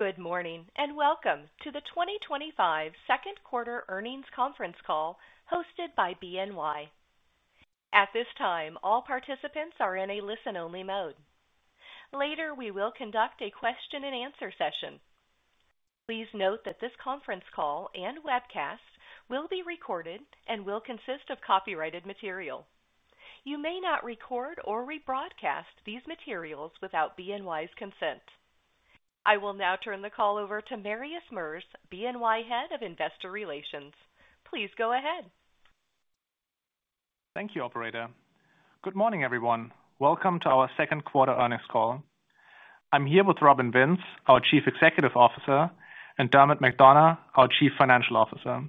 Good morning and welcome to the 2025 Second Quarter Earnings Conference Call hosted by BNY. At this time, all participants are in a listen-only mode. Later, we will conduct a question-and-answer session. Please note that this conference call and webcast will be recorded and will consist of copyrighted material. You may not record or rebroadcast these materials without BNY's consent. I will now turn the call over to Marius Merz, BNY Head of Investor Relations. Please go ahead. Thank you, Operator. Good morning, everyone. Welcome to our Second Quarter Earnings Call. I'm here with Robin Vince, our Chief Executive Officer, and Dermot McDonogh, our Chief Financial Officer.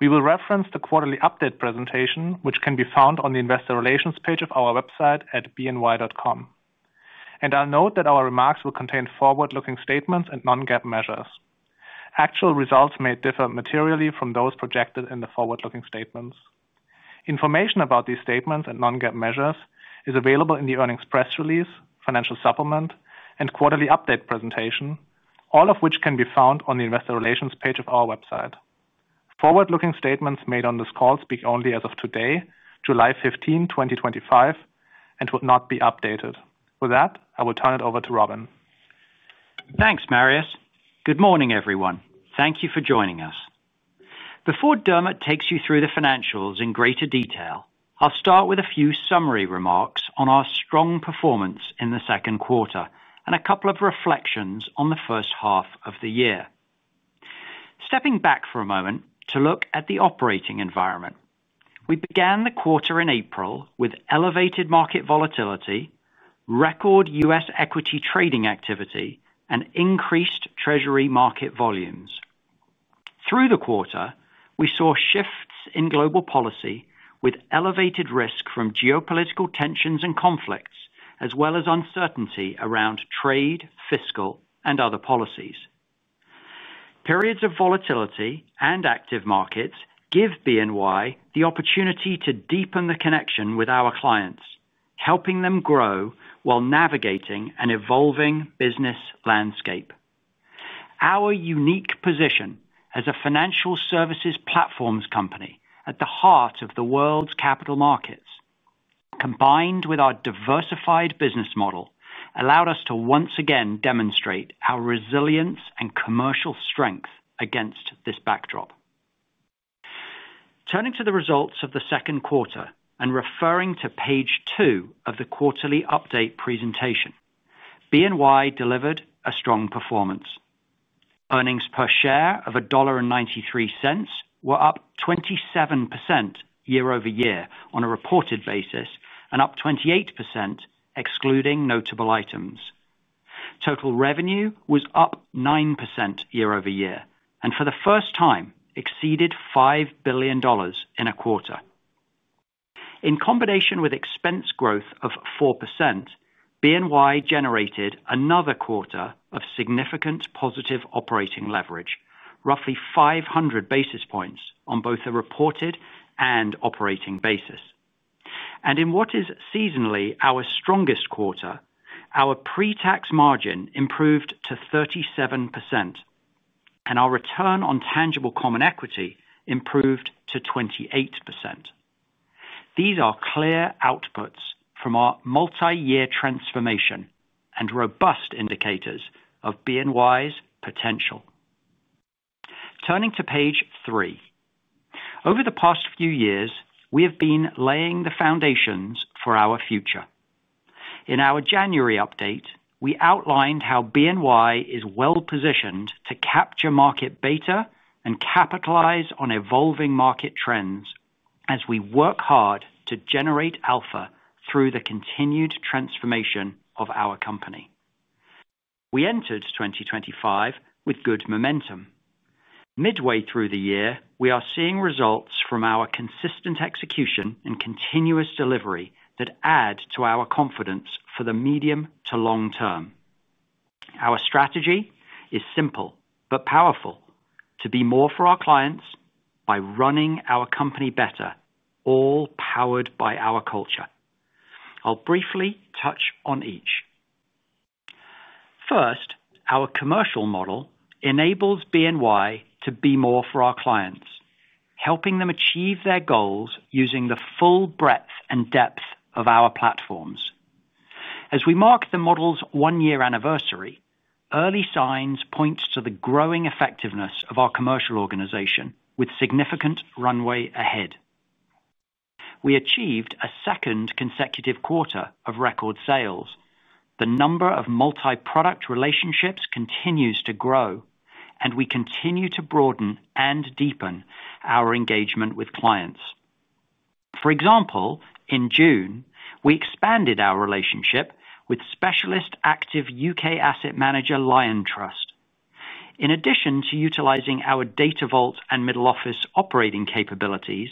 We will reference the quarterly update presentation, which can be found on the Investor Relations page of our website at bny.com. I will note that our remarks will contain forward-looking statements and non-GAAP measures. Actual results may differ materially from those projected in the forward-looking statements. Information about these statements and non-GAAP measures is available in the earnings press release, financial supplement, and quarterly update presentation, all of which can be found on the Investor Relations page of our website. Forward-looking statements made on this call speak only as of today, July 15th, 2025, and will not be updated. With that, I will turn it over to Robin. Thanks, Marius. Good morning, everyone. Thank you for joining us. Before Dermot takes you through the financials in greater detail, I'll start with a few summary remarks on our strong performance in the second quarter and a couple of reflections on the first half of the year. Stepping back for a moment to look at the operating environment, we began the quarter in April with elevated market volatility, record U.S. equity trading activity, and increased Treasury market volumes. Through the quarter, we saw shifts in global policy with elevated risk from geopolitical tensions and conflicts, as well as uncertainty around trade, fiscal, and other policies. Periods of volatility and active markets give BNY the opportunity to deepen the connection with our clients, helping them grow while navigating an evolving business landscape. Our unique position as a financial services platforms company at the heart of the world's capital markets. Combined with our diversified business model, allowed us to once again demonstrate our resilience and commercial strength against this backdrop. Turning to the results of the second quarter and referring to page two of the quarterly update presentation, BNY delivered a strong performance. Earnings per share of $1.93 were up 27% year-over-year on a reported basis and up 28% excluding notable items. Total revenue was up 9% year-over-year and for the first time exceeded $5 billion in a quarter. In combination with expense growth of 4%, BNY generated another quarter of significant positive operating leverage, roughly 500 basis points on both the reported and operating basis. In what is seasonally our strongest quarter, our pre-tax margin improved to 37%. Our return on tangible common equity improved to 28%. These are clear outputs from our multi-year transformation and robust indicators of BNY's potential. Turning to page three, over the past few years, we have been laying the foundations for our future. In our January update, we outlined how BNY is well-positioned to capture market beta and capitalize on evolving market trends as we work hard to generate alpha through the continued transformation of our company. We entered 2025 with good momentum. Midway through the year, we are seeing results from our consistent execution and continuous delivery that add to our confidence for the medium to long term. Our strategy is simple but powerful: to be more for our clients by running our company better, all powered by our culture. I'll briefly touch on each. First, our commercial model enables BNY to be more for our clients, helping them achieve their goals using the full breadth and depth of our platforms. As we mark the model's one-year anniversary, early signs point to the growing effectiveness of our commercial organization with significant runway ahead. We achieved a second consecutive quarter of record sales. The number of multi-product relationships continues to grow, and we continue to broaden and deepen our engagement with clients. For example, in June, we expanded our relationship with specialist active U.K. asset manager Liontrust. In addition to utilizing our Data Vault and middle office operating capabilities,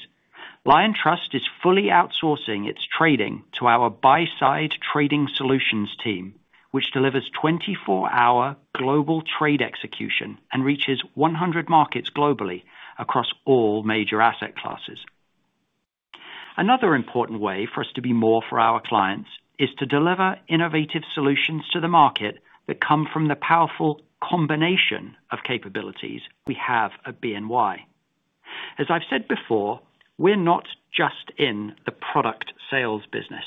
Liontrust is fully outsourcing its trading to our buy-side trading solutions team, which delivers 24-hour global trade execution and reaches 100 markets globally across all major asset classes. Another important way for us to be more for our clients is to deliver innovative solutions to the market that come from the powerful combination of capabilities we have at BNY. As I've said before, we're not just in the product sales business;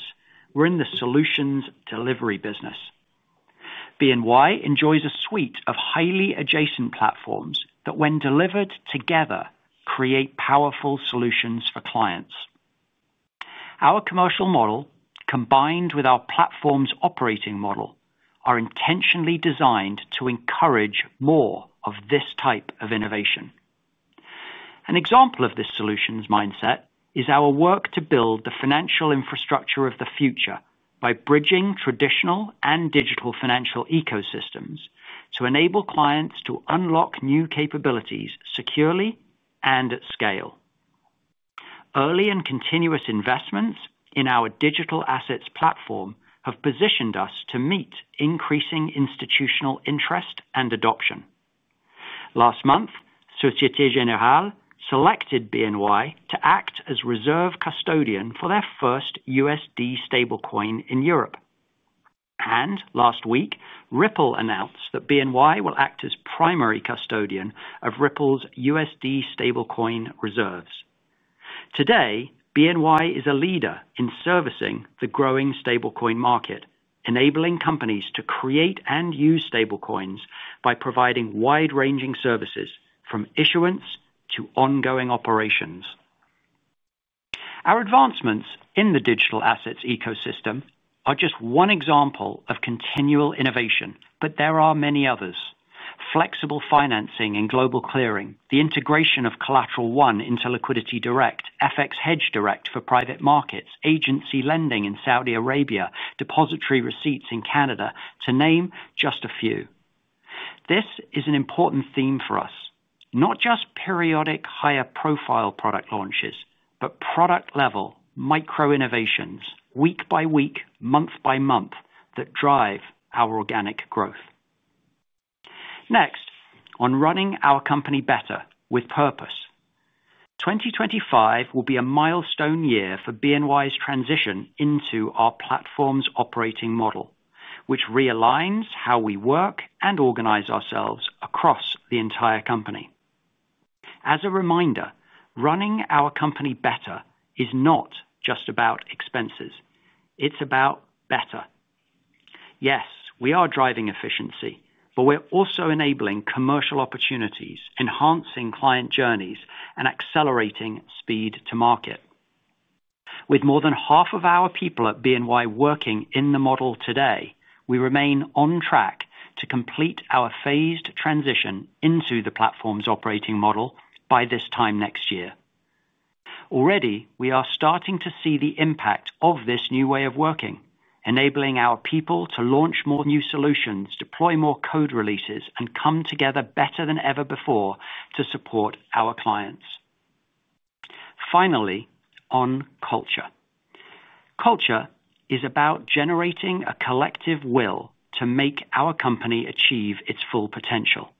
we're in the solutions delivery business. BNY enjoys a suite of highly adjacent platforms that, when delivered together, create powerful solutions for clients. Our commercial model, combined with our platform's operating model, are intentionally designed to encourage more of this type of innovation. An example of this solutions mindset is our work to build the financial infrastructure of the future by bridging traditional and digital financial ecosystems to enable clients to unlock new capabilities securely and at scale. Early and continuous investments in our digital assets platform have positioned us to meet increasing institutional interest and adoption. Last month, Société Générale selected BNY to act as reserve custodian for their first USD stablecoin in Europe. Last week, Ripple announced that BNY will act as primary custodian of Ripple's USD stablecoin reserves. Today, BNY is a leader in servicing the growing stablecoin market, enabling companies to create and use stablecoins by providing wide-ranging services from issuance to ongoing operations. Our advancements in the digital assets ecosystem are just one example of continual innovation, but there are many others: flexible financing and global clearing, the integration of Collateral One into Liquidity Direct, FX Hedge Direct for private markets, agency lending in Saudi Arabia, depository receipts in Canada, to name just a few. This is an important theme for us, not just periodic higher-profile product launches, but product-level micro-innovations, week by week, month by month, that drive our organic growth. Next, on running our company better with purpose. 2025 will be a milestone year for BNY's transition into our platform's operating model, which realigns how we work and organize ourselves across the entire company. As a reminder, running our company better is not just about expenses; it is about better. Yes, we are driving efficiency, but we are also enabling commercial opportunities, enhancing client journeys, and accelerating speed to market. With more than half of our people at BNY working in the model today, we remain on track to complete our phased transition into the platform's operating model by this time next year. Already, we are starting to see the impact of this new way of working, enabling our people to launch more new solutions, deploy more code releases, and come together better than ever before to support our clients. Finally, on culture. Culture is about generating a collective will to make our company achieve its full potential.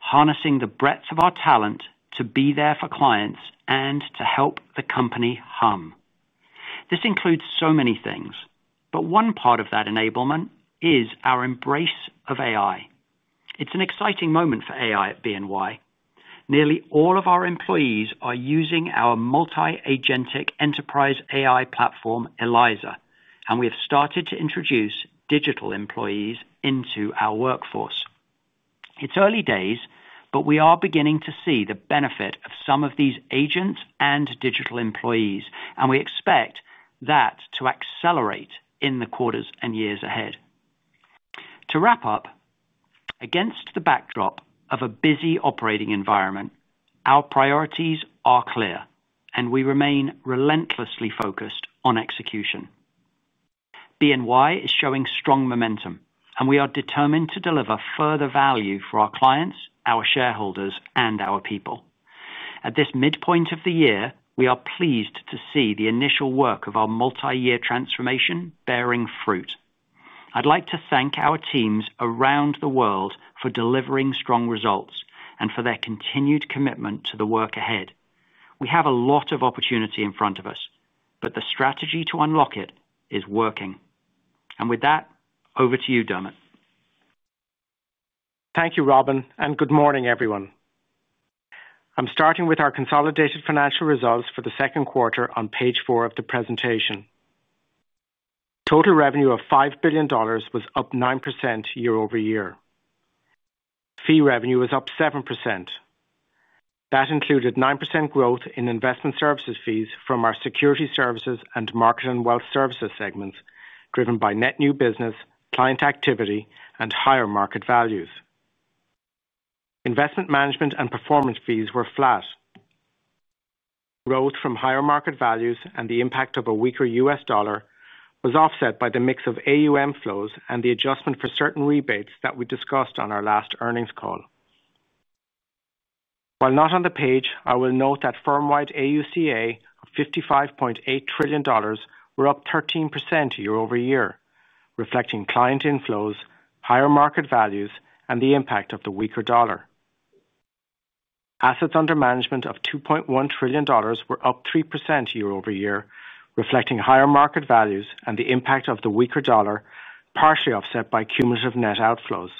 Harnessing the breadth of our talent to be there for clients and to help the company hum. This includes so many things, but one part of that enablement is our embrace of AI. It's an exciting moment for AI at BNY. Nearly all of our employees are using our multi-agentic enterprise AI platform, Eliza, and we have started to introduce digital employees into our workforce. It's early days, but we are beginning to see the benefit of some of these agents and digital employees, and we expect that to accelerate in the quarters and years ahead. To wrap up. Against the backdrop of a busy operating environment, our priorities are clear, and we remain relentlessly focused on execution. BNY is showing strong momentum, and we are determined to deliver further value for our clients, our shareholders, and our people. At this midpoint of the year, we are pleased to see the initial work of our multi-year transformation bearing fruit. I'd like to thank our teams around the world for delivering strong results and for their continued commitment to the work ahead. We have a lot of opportunity in front of us, the strategy to unlock it is working. With that, over to you, Dermot. Thank you, Robin, and good morning, everyone. I'm starting with our consolidated financial results for the second quarter on page four of the presentation. Total revenue of $5 billion was up 9% year-over-year. Fee revenue was up 7%. That included 9% growth in investment services fees from our security services and market and wealth services segments, driven by net new business, client activity, and higher market values. Investment management and performance fees were flat. Growth from higher market values and the impact of a weaker U.S. dollar was offset by the mix of AUM flows and the adjustment for certain rebates that we discussed on our last earnings call. While not on the page, I will note that firm-wide AUC of $55.8 trillion were up 13% year-over-year, reflecting client inflows, higher market values, and the impact of the weaker dollar. Assets under management of $2.1 trillion were up 3% year-over-year, reflecting higher market values and the impact of the weaker dollar, partially offset by cumulative net outflows.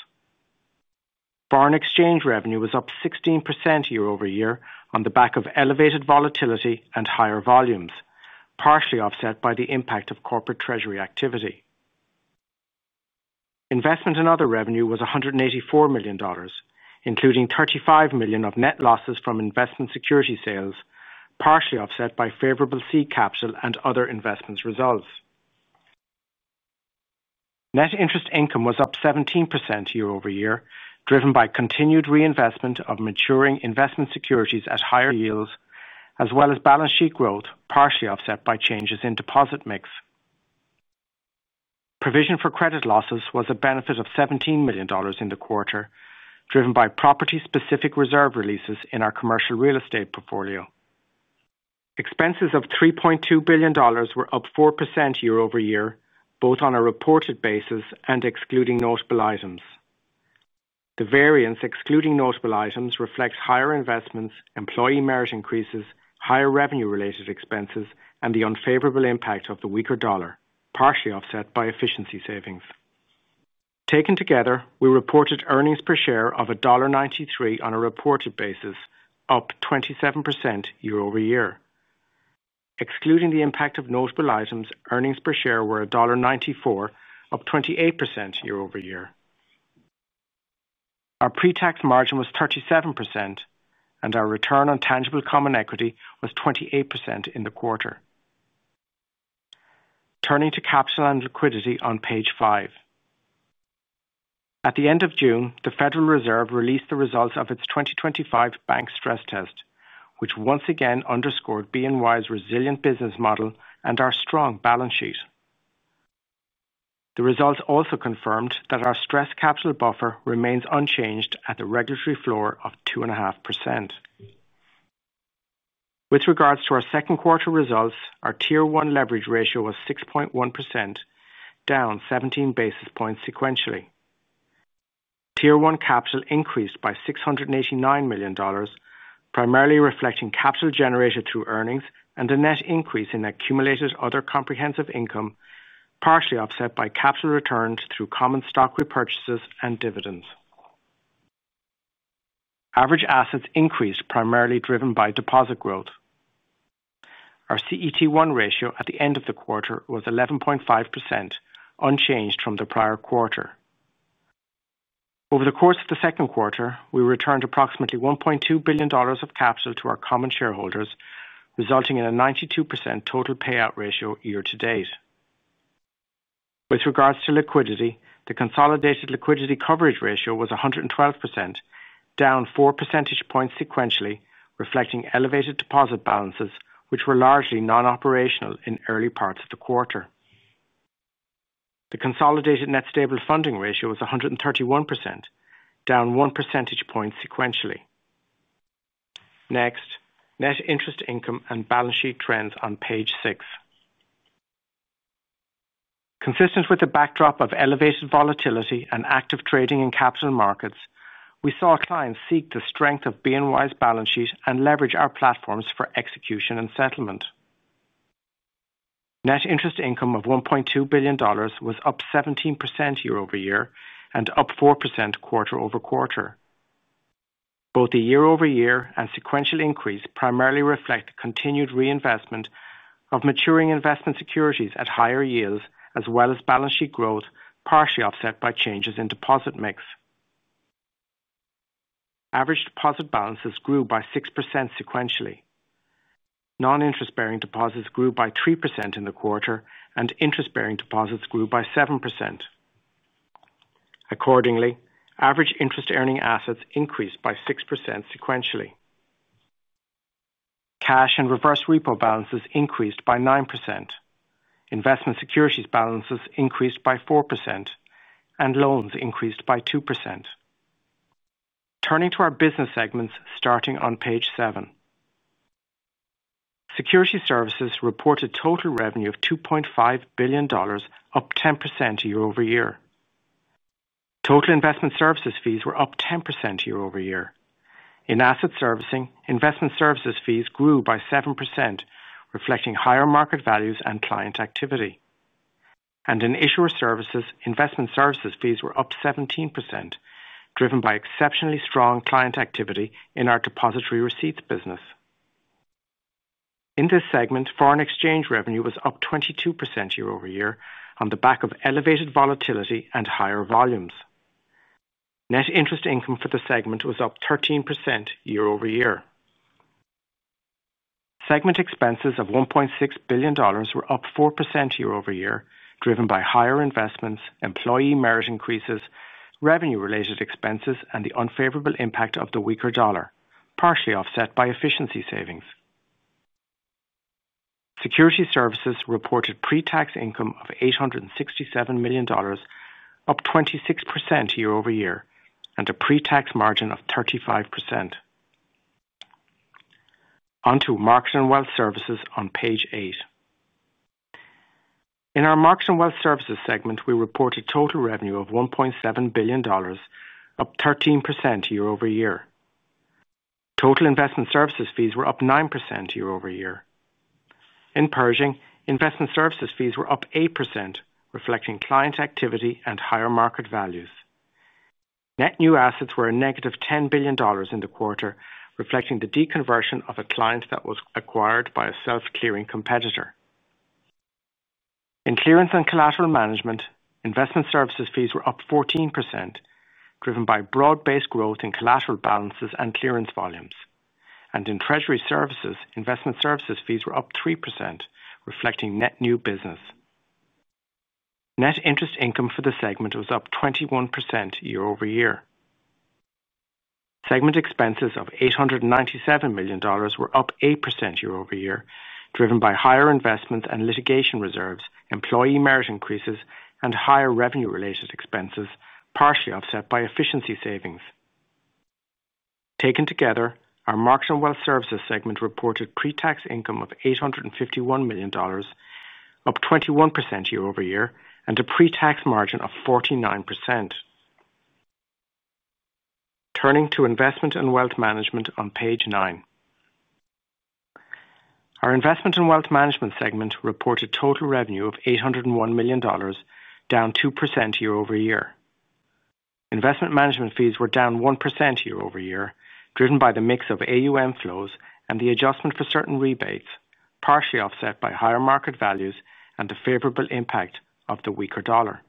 Foreign exchange revenue was up 16% year-over-year on the back of elevated volatility and higher volumes, partially offset by the impact of corporate treasury activity. Investment and other revenue was $184 million, including $35 million of net losses from investment security sales, partially offset by favorable seed capital and other investments results. Net interest income was up 17% year-over-year, driven by continued reinvestment of maturing investment securities at higher yields, as well as balance sheet growth, partially offset by changes in deposit mix. Provision for credit losses was a benefit of $17 million in the quarter, driven by property-specific reserve releases in our commercial real estate portfolio. Expenses of $3.2 billion were up 4% year-over-year, both on a reported basis and excluding notable items. The variance excluding notable items reflects higher investments, employee merit increases, higher revenue-related expenses, and the unfavorable impact of the weaker dollar, partially offset by efficiency savings. Taken together, we reported earnings per share of $1.93 on a reported basis, up 27% year-over-year. Excluding the impact of notable items, earnings per share were $1.94, up 28% year-over-year. Our pre-tax margin was 37%, and our return on tangible common equity was 28% in the quarter. Turning to capital and liquidity on page five. At the end of June, the Federal Reserve released the results of its 2025 bank stress test, which once again underscored BNY's resilient business model and our strong balance sheet. The results also confirmed that our stress capital buffer remains unchanged at the regulatory floor of 2.5%. With regards to our second quarter results, our tier one leverage ratio was 6.1%. Down 17 basis points sequentially. Tier one capital increased by $689 million, primarily reflecting capital generated through earnings and a net increase in accumulated other comprehensive income, partially offset by capital returns through common stock repurchases and dividends. Average assets increased, primarily driven by deposit growth. Our CET1 ratio at the end of the quarter was 11.5%, unchanged from the prior quarter. Over the course of the second quarter, we returned approximately $1.2 billion of capital to our common shareholders, resulting in a 92% total payout ratio year to date. With regards to liquidity, the consolidated liquidity coverage ratio was 112%, down 4 percentage points sequentially, reflecting elevated deposit balances, which were largely non-operational in early parts of the quarter. The consolidated net stable funding ratio was 131%, down 1 percentage point sequentially. Next, net interest income and balance sheet trends on page six. Consistent with the backdrop of elevated volatility and active trading in capital markets, we saw clients seek the strength of BNY's balance sheet and leverage our platforms for execution and settlement. Net interest income of $1.2 billion was up 17% year-over-year and up 4% quarter over quarter. Both the year-over-year and sequential increase primarily reflect continued reinvestment of maturing investment securities at higher yields, as well as balance sheet growth, partially offset by changes in deposit mix. Average deposit balances grew by 6% sequentially. Non-interest-bearing deposits grew by 3% in the quarter, and interest-bearing deposits grew by 7%. Accordingly, average interest-earning assets increased by 6% sequentially. Cash and reverse repo balances increased by 9%. Investment securities balances increased by 4%, and loans increased by 2%. Turning to our business segments starting on page seven. Security services reported total revenue of $2.5 billion, up 10% year-over-year. Total investment services fees were up 10% year-over-year. In asset servicing, investment services fees grew by 7%, reflecting higher market values and client activity. In issuer services, investment services fees were up 17%, driven by exceptionally strong client activity in our depository receipts business. In this segment, foreign exchange revenue was up 22% year-over-year on the back of elevated volatility and higher volumes. Net interest income for the segment was up 13% year-over-year. Segment expenses of $1.6 billion were up 4% year-over-year, driven by higher investments, employee merit increases, revenue-related expenses, and the unfavorable impact of the weaker dollar, partially offset by efficiency savings. Security services reported pre-tax income of $867 million, up 26% year-over-year, and a pre-tax margin of 35%. Onto market and wealth services on page eight. In our market and wealth services segment, we reported total revenue of $1.7 billion, up 13% year-over-year. Total investment services fees were up 9% year-over-year. In Pershing, investment services fees were up 8%, reflecting client activity and higher market values. Net new assets were a negative $10 billion in the quarter, reflecting the deconversion of a client that was acquired by a self-clearing competitor. In clearance and collateral management, investment services fees were up 14%, driven by broad-based growth in collateral balances and clearance volumes. In treasury services, investment services fees were up 3%, reflecting net new business. Net interest income for the segment was up 21% year-over-year. Segment expenses of $897 million were up 8% year-over-year, driven by higher investments and litigation reserves, employee merit increases, and higher revenue-related expenses, partially offset by efficiency savings. Taken together, our market and wealth services segment reported pre-tax income of $851 million, up 21% year-over-year, and a pre-tax margin of 49%. Turning to investment and wealth management on page nine. Our investment and wealth management segment reported total revenue of $801 million, down 2% year-over-year. Investment management fees were down 1% year-over-year, driven by the mix of AUM flows and the adjustment for certain rebates, partially offset by higher market values and the favorable impact of the weaker dollar.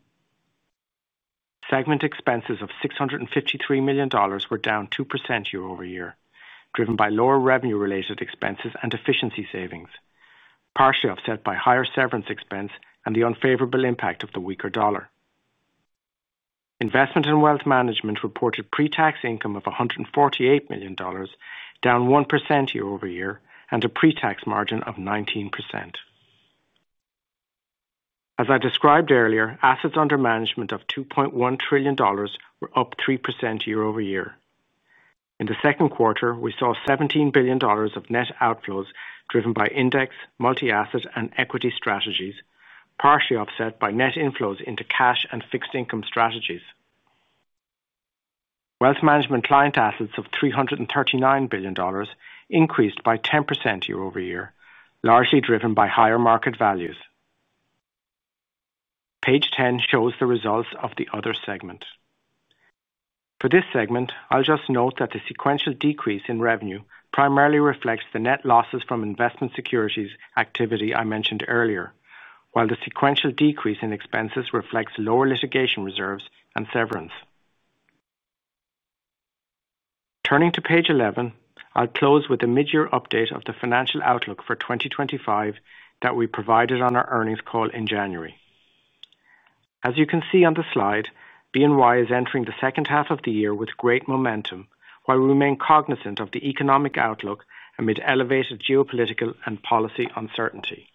Segment expenses of $653 million were down 2% year-over-year, driven by lower revenue-related expenses and efficiency savings, partially offset by higher severance expense and the unfavorable impact of the weaker dollar. Investment and wealth management reported pre-tax income of $148 million, down 1% year-over-year, and a pre-tax margin of 19%. As I described earlier, assets under management of $2.1 trillion were up 3% year-over-year. In the second quarter, we saw $17 billion of net outflows driven by index, multi-asset, and equity strategies, partially offset by net inflows into cash and fixed income strategies. Wealth management client assets of $339 billion increased by 10% year-over-year, largely driven by higher market values. Page 10 shows the results of the other segment. For this segment, I'll just note that the sequential decrease in revenue primarily reflects the net losses from investment securities activity I mentioned earlier, while the sequential decrease in expenses reflects lower litigation reserves and severance. Turning to page 11, I'll close with a mid-year update of the financial outlook for 2025 that we provided on our earnings call in January. As you can see on the slide, BNY is entering the second half of the year with great momentum, while we remain cognizant of the economic outlook amid elevated geopolitical and policy uncertainty.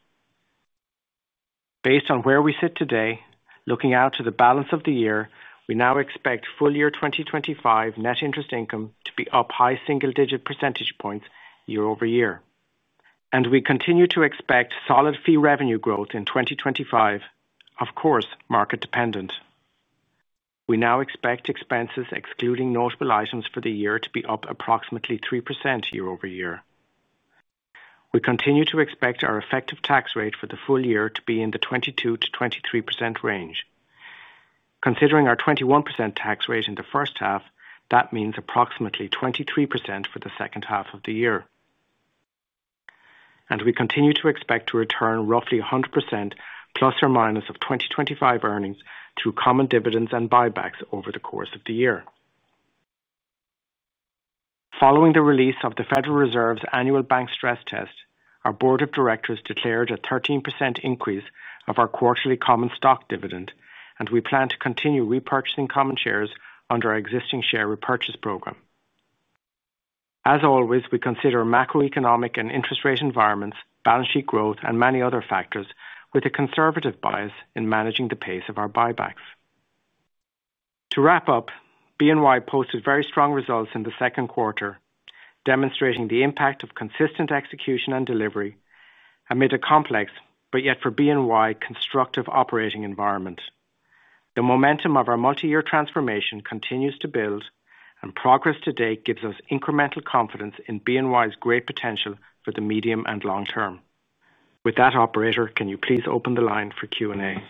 Based on where we sit today, looking out to the balance of the year, we now expect full year 2025 net interest income to be up high single-digit percentage points year-over-year. We continue to expect solid fee revenue growth in 2025, of course market-dependent. We now expect expenses excluding notable items for the year to be up approximately 3% year-over-year. We continue to expect our effective tax rate for the full year to be in the 22%-23% range. Considering our 21% tax rate in the first half, that means approximately 23% for the second half of the year. We continue to expect to return roughly 100% ± of 2025 earnings through common dividends and buybacks over the course of the year. Following the release of the Federal Reserve's annual bank stress test, our board of directors declared a 13% increase of our quarterly common stock dividend, and we plan to continue repurchasing common shares under our existing share repurchase program. As always, we consider macroeconomic and interest rate environments, balance sheet growth, and many other factors with a conservative bias in managing the pace of our buybacks. To wrap up, BNY posted very strong results in the second quarter, demonstrating the impact of consistent execution and delivery amid a complex but yet for BNY constructive operating environment. The momentum of our multi-year transformation continues to build, and progress to date gives us incremental confidence in BNY's great potential for the medium and long term. With that, Operator, can you please open the line for Q&A?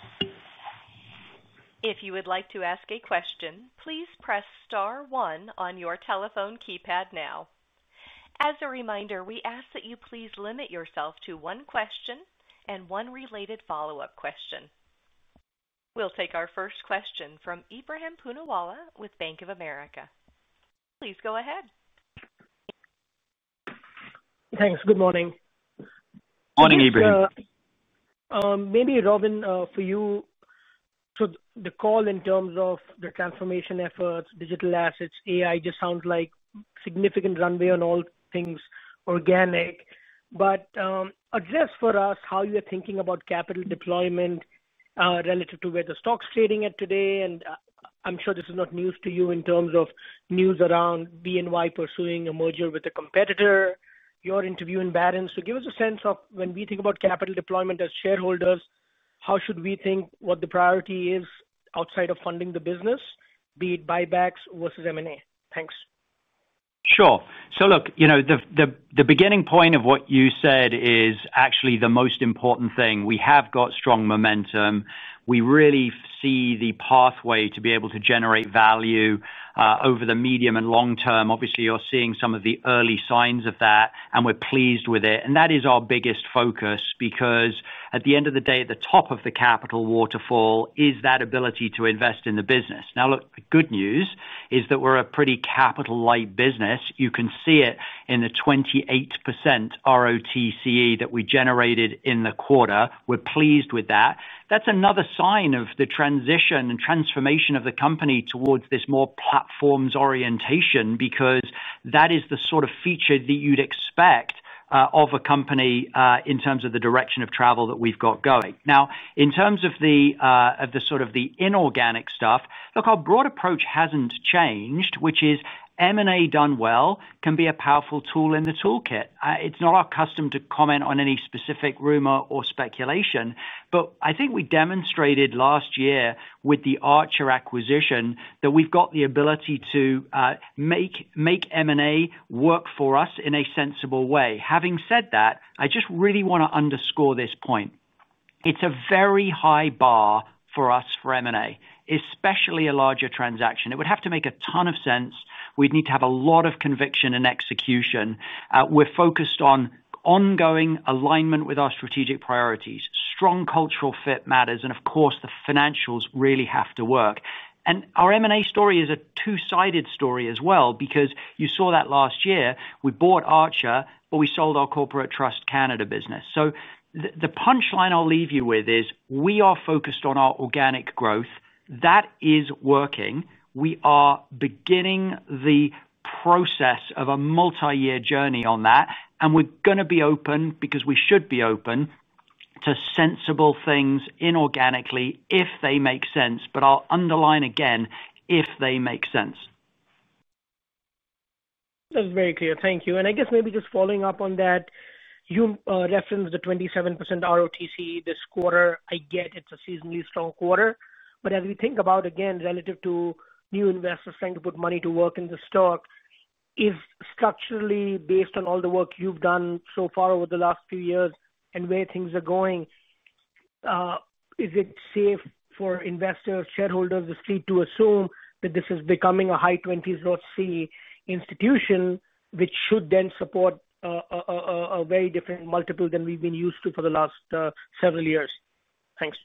If you would like to ask a question, please press star one on your telephone keypad now. As a reminder, we ask that you please limit yourself to one question and one related follow-up question. We'll take our first question from Ebrahim Poonawala with Bank of America. Please go ahead. Thanks. Good morning. Morning, Ibrahim. Maybe Robin, for you. The call in terms of the transformation efforts, digital assets, AI just sounds like significant runway on all things organic. Address for us how you're thinking about capital deployment relative to where the stock's trading at today. I'm sure this is not news to you in terms of news around BNY pursuing a merger with a competitor, your interview in Barron's. Give us a sense of when we think about capital deployment as shareholders, how should we think what the priority is outside of funding the business, be it buybacks versus M&A? Thanks. Sure. Look, the beginning point of what you said is actually the most important thing. We have got strong momentum. We really see the pathway to be able to generate value over the medium and long term. Obviously, you're seeing some of the early signs of that, and we're pleased with it. That is our biggest focus because at the end of the day, at the top of the capital waterfall is that ability to invest in the business. Now, look, the good news is that we're a pretty capital-light business. You can see it in the 28% ROTCE that we generated in the quarter. We're pleased with that. That's another sign of the transition and transformation of the company towards this more platforms orientation because that is the sort of feature that you'd expect of a company in terms of the direction of travel that we've got going. Now, in terms of the inorganic stuff, look, our broad approach hasn't changed, which is M&A done well can be a powerful tool in the toolkit. It's not our custom to comment on any specific rumor or speculation, but I think we demonstrated last year with the Archer acquisition that we've got the ability to make M&A work for us in a sensible way. Having said that, I just really want to underscore this point. It's a very high bar for us for M&A, especially a larger transaction. It would have to make a ton of sense. We'd need to have a lot of conviction and execution. We're focused on ongoing alignment with our strategic priorities. Strong cultural fit matters. Of course, the financials really have to work. Our M&A story is a two-sided story as well because you saw that last year. We bought Archer, but we sold our corporate trust Canada business. The punchline I'll leave you with is we are focused on our organic growth. That is working. We are beginning the process of a multi-year journey on that. We are going to be open because we should be open to sensible things inorganically if they make sense, but I'll underline again, if they make sense. That was very clear. Thank you. I guess maybe just following up on that. You referenced the 27% ROTCE this quarter. I get it's a seasonally strong quarter. As we think about, again, relative to new investors trying to put money to work in the stock, if structurally, based on all the work you've done so far over the last few years and where things are going, is it safe for investors, shareholders, the street to assume that this is becoming a high 20s ROTCE institution, which should then support a very different multiple than we've been used to for the last several years? Thanks.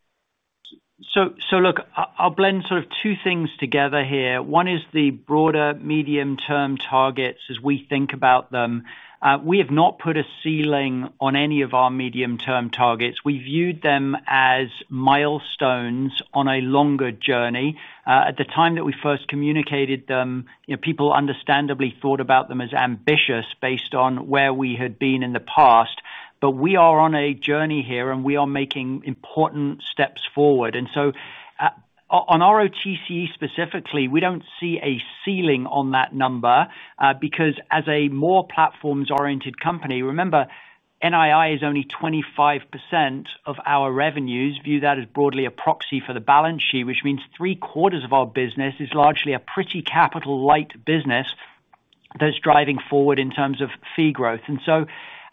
Look, I'll blend sort of two things together here. One is the broader medium-term targets as we think about them. We have not put a ceiling on any of our medium-term targets. We viewed them as milestones on a longer journey. At the time that we first communicated them, people understandably thought about them as ambitious based on where we had been in the past. We are on a journey here, and we are making important steps forward. On ROTCE specifically, we do not see a ceiling on that number because as a more platforms-oriented company, remember, NII is only 25% of our revenues, view that as broadly a proxy for the balance sheet, which means three-quarters of our business is largely a pretty capital-light business. That is driving forward in terms of fee growth.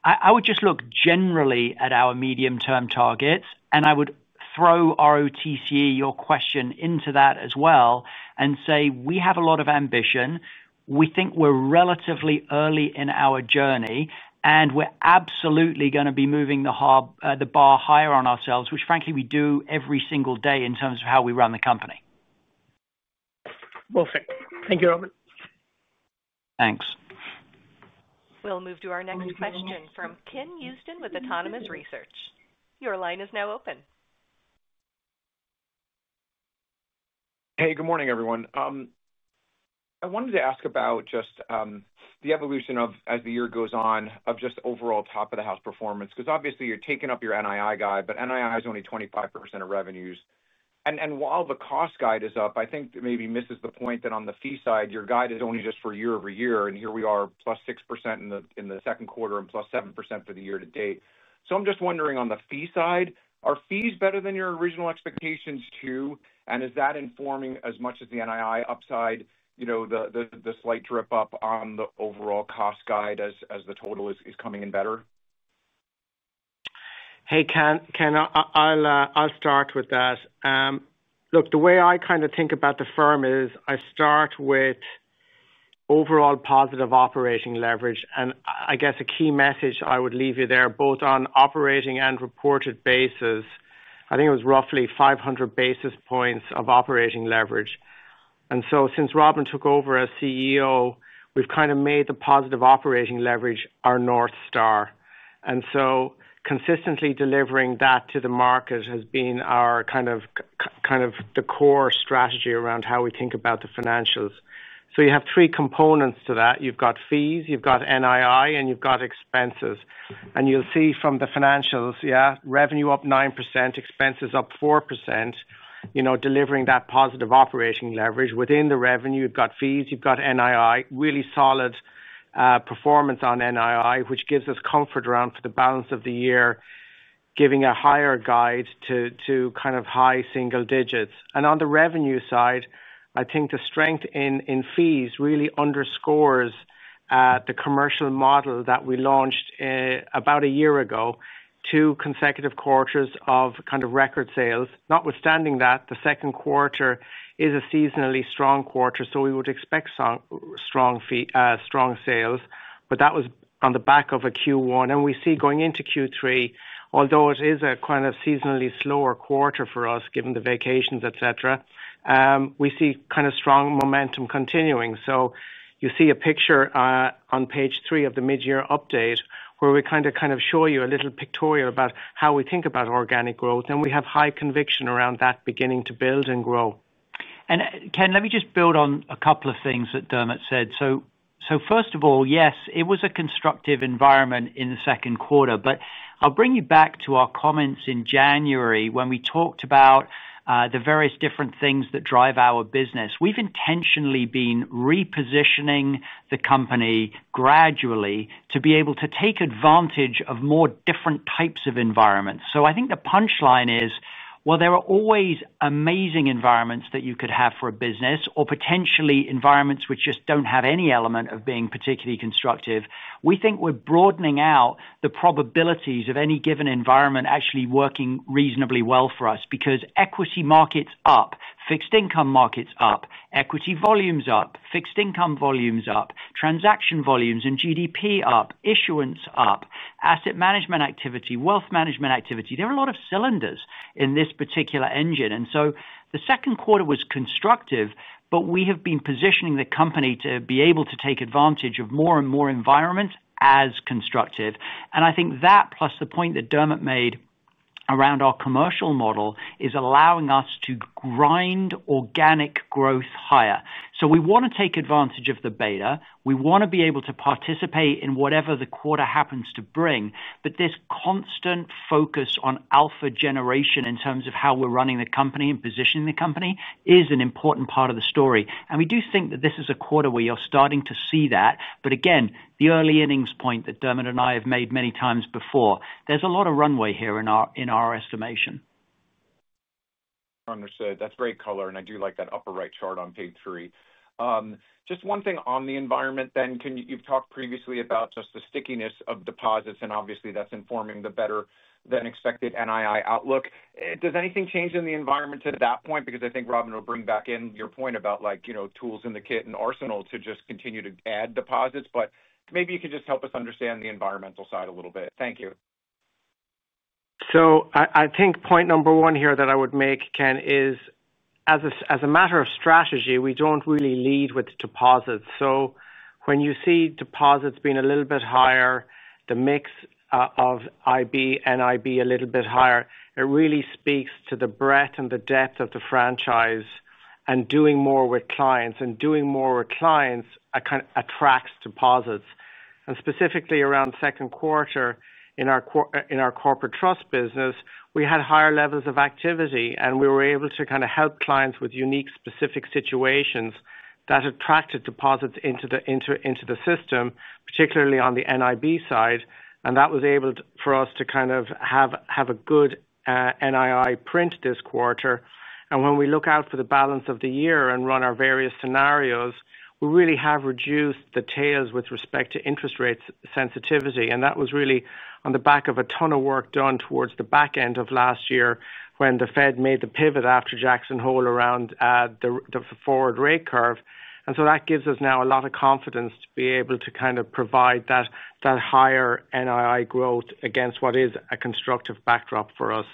I would just look generally at our medium-term targets, and I would throw ROTCE, your question, into that as well, and say we have a lot of ambition. We think we are relatively early in our journey, and we are absolutely going to be moving the bar higher on ourselves, which frankly, we do every single day in terms of how we run the company. Perfect. Thank you, Robin. Thanks. We'll move to our next question from Ken Houston with Autonomous Research. Your line is now open. Hey, good morning, everyone. I wanted to ask about just the evolution of, as the year goes on, of just overall top-of-the-house performance because obviously, you're taking up your NII guide, but NII is only 25% of revenues. And while the cost guide is up, I think maybe misses the point that on the fee side, your guide is only just for year-over-year, and here we are +6% in the second quarter and +7% for the year to date. So I'm just wondering, on the fee side, are fees better than your original expectations too? And is that informing as much as the NII upside. The slight drip up on the overall cost guide as the total is coming in better? Hey, Ken, I'll start with that. Look, the way I kind of think about the firm is I start with overall positive operating leverage. I guess a key message I would leave you there, both on operating and reported basis, I think it was roughly 500 basis points of operating leverage. Since Robin took over as CEO, we've kind of made the positive operating leverage our North Star. Consistently delivering that to the market has been our kind of the core strategy around how we think about the financials. You have three components to that. You've got fees, you've got NII, and you've got expenses. You'll see from the financials, yeah, revenue up 9%, expenses up 4%. Delivering that positive operating leverage. Within the revenue, you've got fees, you've got NII, really solid. Performance on NII, which gives us comfort around for the balance of the year, giving a higher guide to kind of high single digits. On the revenue side, I think the strength in fees really underscores the commercial model that we launched about a year ago, two consecutive quarters of kind of record sales. Notwithstanding that, the second quarter is a seasonally strong quarter, so we would expect strong sales, but that was on the back of a Q1. We see going into Q3, although it is a kind of seasonally slower quarter for us given the vacations, etc., we see kind of strong momentum continuing. You see a picture on page three of the mid-year update where we kind of show you a little pictorial about how we think about organic growth. We have high conviction around that beginning to build and grow. Ken, let me just build on a couple of things that Dermot said. First of all, yes, it was a constructive environment in the second quarter. I will bring you back to our comments in January when we talked about the various different things that drive our business. We have intentionally been repositioning the company gradually to be able to take advantage of more different types of environments. I think the punchline is, there are always amazing environments that you could have for a business or potentially environments which just do not have any element of being particularly constructive. We think we are broadening out the probabilities of any given environment actually working reasonably well for us because equity markets up, fixed income markets up, equity volumes up, fixed income volumes up, transaction volumes and GDP up, issuance up, asset management activity, wealth management activity. There are a lot of cylinders in this particular engine. The second quarter was constructive, but we have been positioning the company to be able to take advantage of more and more environments as constructive. I think that, plus the point that Dermot made around our commercial model, is allowing us to grind organic growth higher. We want to take advantage of the beta. We want to be able to participate in whatever the quarter happens to bring. This constant focus on Alpha generation in terms of how we're running the company and positioning the company is an important part of the story. We do think that this is a quarter where you're starting to see that. The early earnings point that Dermot and I have made many times before, there's a lot of runway here in our estimation. Understood. That's very color. I do like that upper right chart on page three. Just one thing on the environment then. You've talked previously about just the stickiness of deposits, and obviously, that's informing the better-than-expected NII outlook. Does anything change in the environment at that point? I think, Robin, we'll bring back in your point about tools in the kit and arsenal to just continue to add deposits. Maybe you can just help us understand the environmental side a little bit. Thank you. I think point number one here that I would make, Ken, is as a matter of strategy, we don't really lead with deposits. When you see deposits being a little bit higher, the mix of IB and IB a little bit higher, it really speaks to the breadth and the depth of the franchise and doing more with clients. Doing more with clients attracts deposits. Specifically around second quarter, in our corporate trust business, we had higher levels of activity, and we were able to kind of help clients with unique specific situations that attracted deposits into the system, particularly on the NIB side. That was able for us to kind of have a good NII print this quarter. When we look out for the balance of the year and run our various scenarios, we really have reduced the tails with respect to interest rate sensitivity. That was really on the back of a ton of work done towards the back end of last year when the Fed made the pivot after Jackson Hole around the forward rate curve. That gives us now a lot of confidence to be able to kind of provide that higher NII growth against what is a constructive backdrop for us.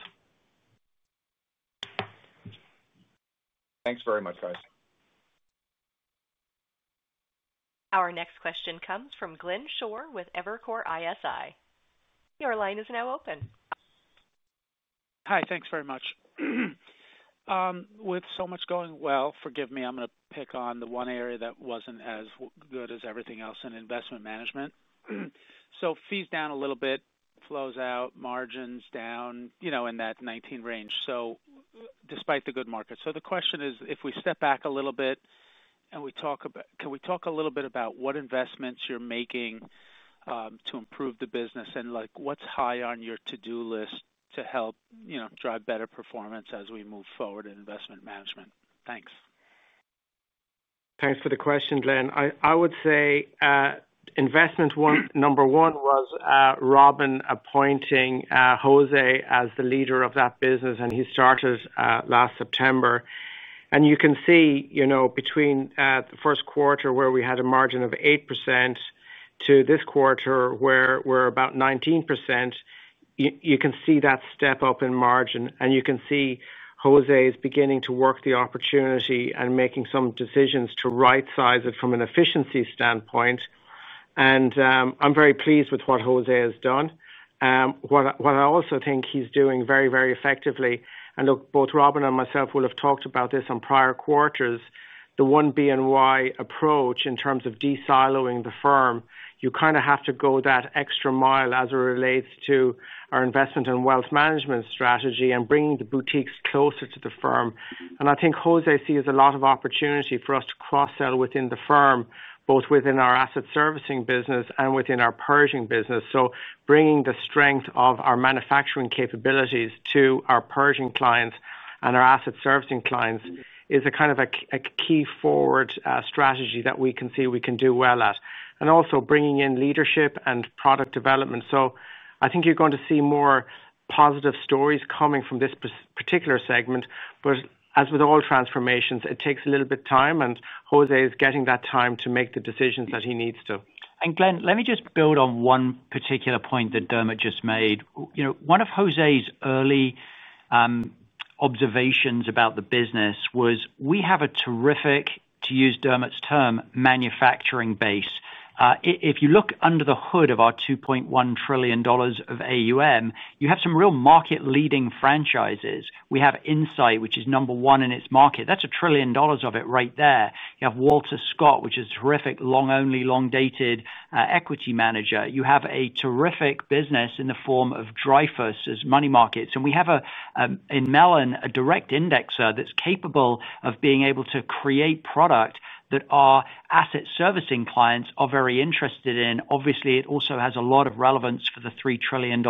Thanks very much, guys. Our next question comes from Glenn Schorr with Evercore ISI. Your line is now open. Hi, thanks very much. With so much going well, forgive me, I'm going to pick on the one area that was not as good as everything else in investment management. Fees down a little bit, flows out, margins down in that 2019 range, despite the good market. The question is, if we step back a little bit and we talk about, can we talk a little bit about what investments you are making to improve the business and what is high on your to-do list to help drive better performance as we move forward in investment management? Thanks. Thanks for the question, Glenn. I would say. Investment number one was Robin appointing José as the leader of that business. He started last September. You can see between the first quarter where we had a margin of 8% to this quarter where we are about 19%. You can see that step up in margin. You can see José is beginning to work the opportunity and making some decisions to right-size it from an efficiency standpoint. I am very pleased with what José has done. What I also think he is doing very, very effectively, and look, both Robin and myself have talked about this on prior quarters, the 1BNY approach in terms of desiloing the firm, you kind of have to go that extra mile as it relates to our investment and wealth management strategy and bringing the boutiques closer to the firm. I think José sees a lot of opportunity for us to cross-sell within the firm, both within our asset servicing business and within our purging business. Bringing the strength of our manufacturing capabilities to our purging clients and our asset servicing clients is a kind of a key forward strategy that we can see we can do well at. Also bringing in leadership and product development. I think you're going to see more positive stories coming from this particular segment. As with all transformations, it takes a little bit of time, and José is getting that time to make the decisions that he needs to. Glenn, let me just build on one particular point that Dermot just made. One of José's early observations about the business was we have a terrific, to use Dermot's term, manufacturing base. If you look under the hood of our $2.1 trillion of AUM, you have some real market-leading franchises. We have Insight, which is number one in its market. That's a trillion dollars of it right there. You have Walter Scott, which is terrific, long-only, long-dated equity manager. You have a terrific business in the form of Dreyfus as money markets. We have, in Mellon, a direct indexer that's capable of being able to create product that our asset servicing clients are very interested in. Obviously, it also has a lot of relevance for the $3 trillion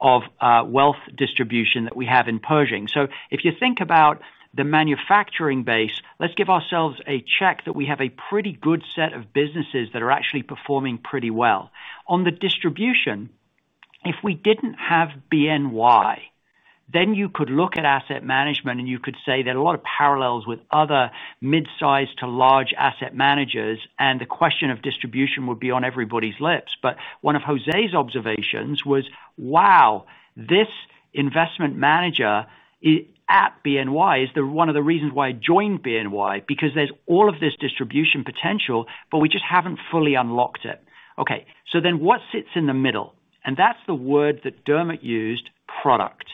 of wealth distribution that we have in Pershing. If you think about the manufacturing base, let's give ourselves a check that we have a pretty good set of businesses that are actually performing pretty well. On the distribution, if we didn't have BNY, then you could look at asset management, and you could say there are a lot of parallels with other mid-size to large asset managers, and the question of distribution would be on everybody's lips. One of José's observations was, wow, this investment manager at BNY is one of the reasons why I joined BNY because there's all of this distribution potential, but we just haven't fully unlocked it. Okay. What sits in the middle? That's the word that Dermot used, product,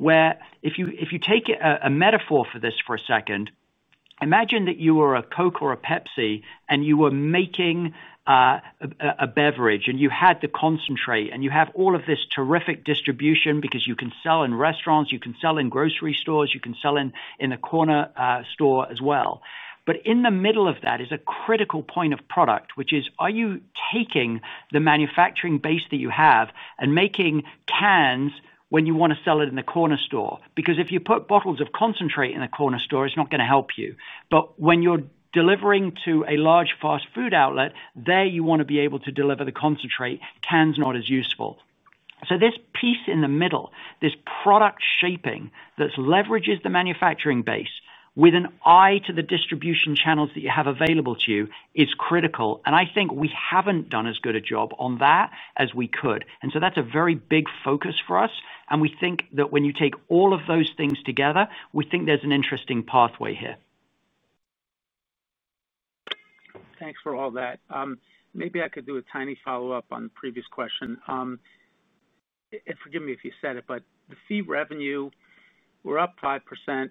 where if you take a metaphor for this for a second. Imagine that you were a Coke or a Pepsi, and you were making. A beverage, and you had to concentrate, and you have all of this terrific distribution because you can sell in restaurants, you can sell in grocery stores, you can sell in the corner store as well. In the middle of that is a critical point of product, which is, are you taking the manufacturing base that you have and making cans when you want to sell it in the corner store? If you put bottles of concentrate in the corner store, it is not going to help you. When you are delivering to a large fast food outlet, there you want to be able to deliver the concentrate; cans are not as useful. This piece in the middle, this product shaping that leverages the manufacturing base with an eye to the distribution channels that you have available to you is critical. I think we have not done as good a job on that as we could. That is a very big focus for us. We think that when you take all of those things together, there is an interesting pathway here. Thanks for all that. Maybe I could do a tiny follow-up on the previous question. Forgive me if you said it, but the fee revenue, we are up 5%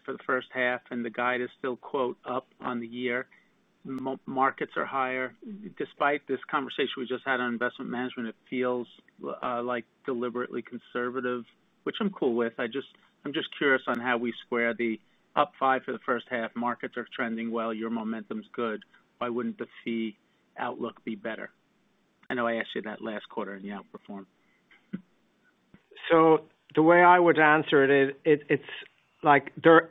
for the first half, and the guide is still, quote, up on the year. Markets are higher. Despite this conversation we just had on investment management, it feels like deliberately conservative, which I am cool with. I am just curious on how we square the up 5% for the first half. Markets are trending well. Your momentum is good. Why would not the fee outlook be better? I know I asked you that last quarter, and you outperformed. The way I would answer it, it's like, there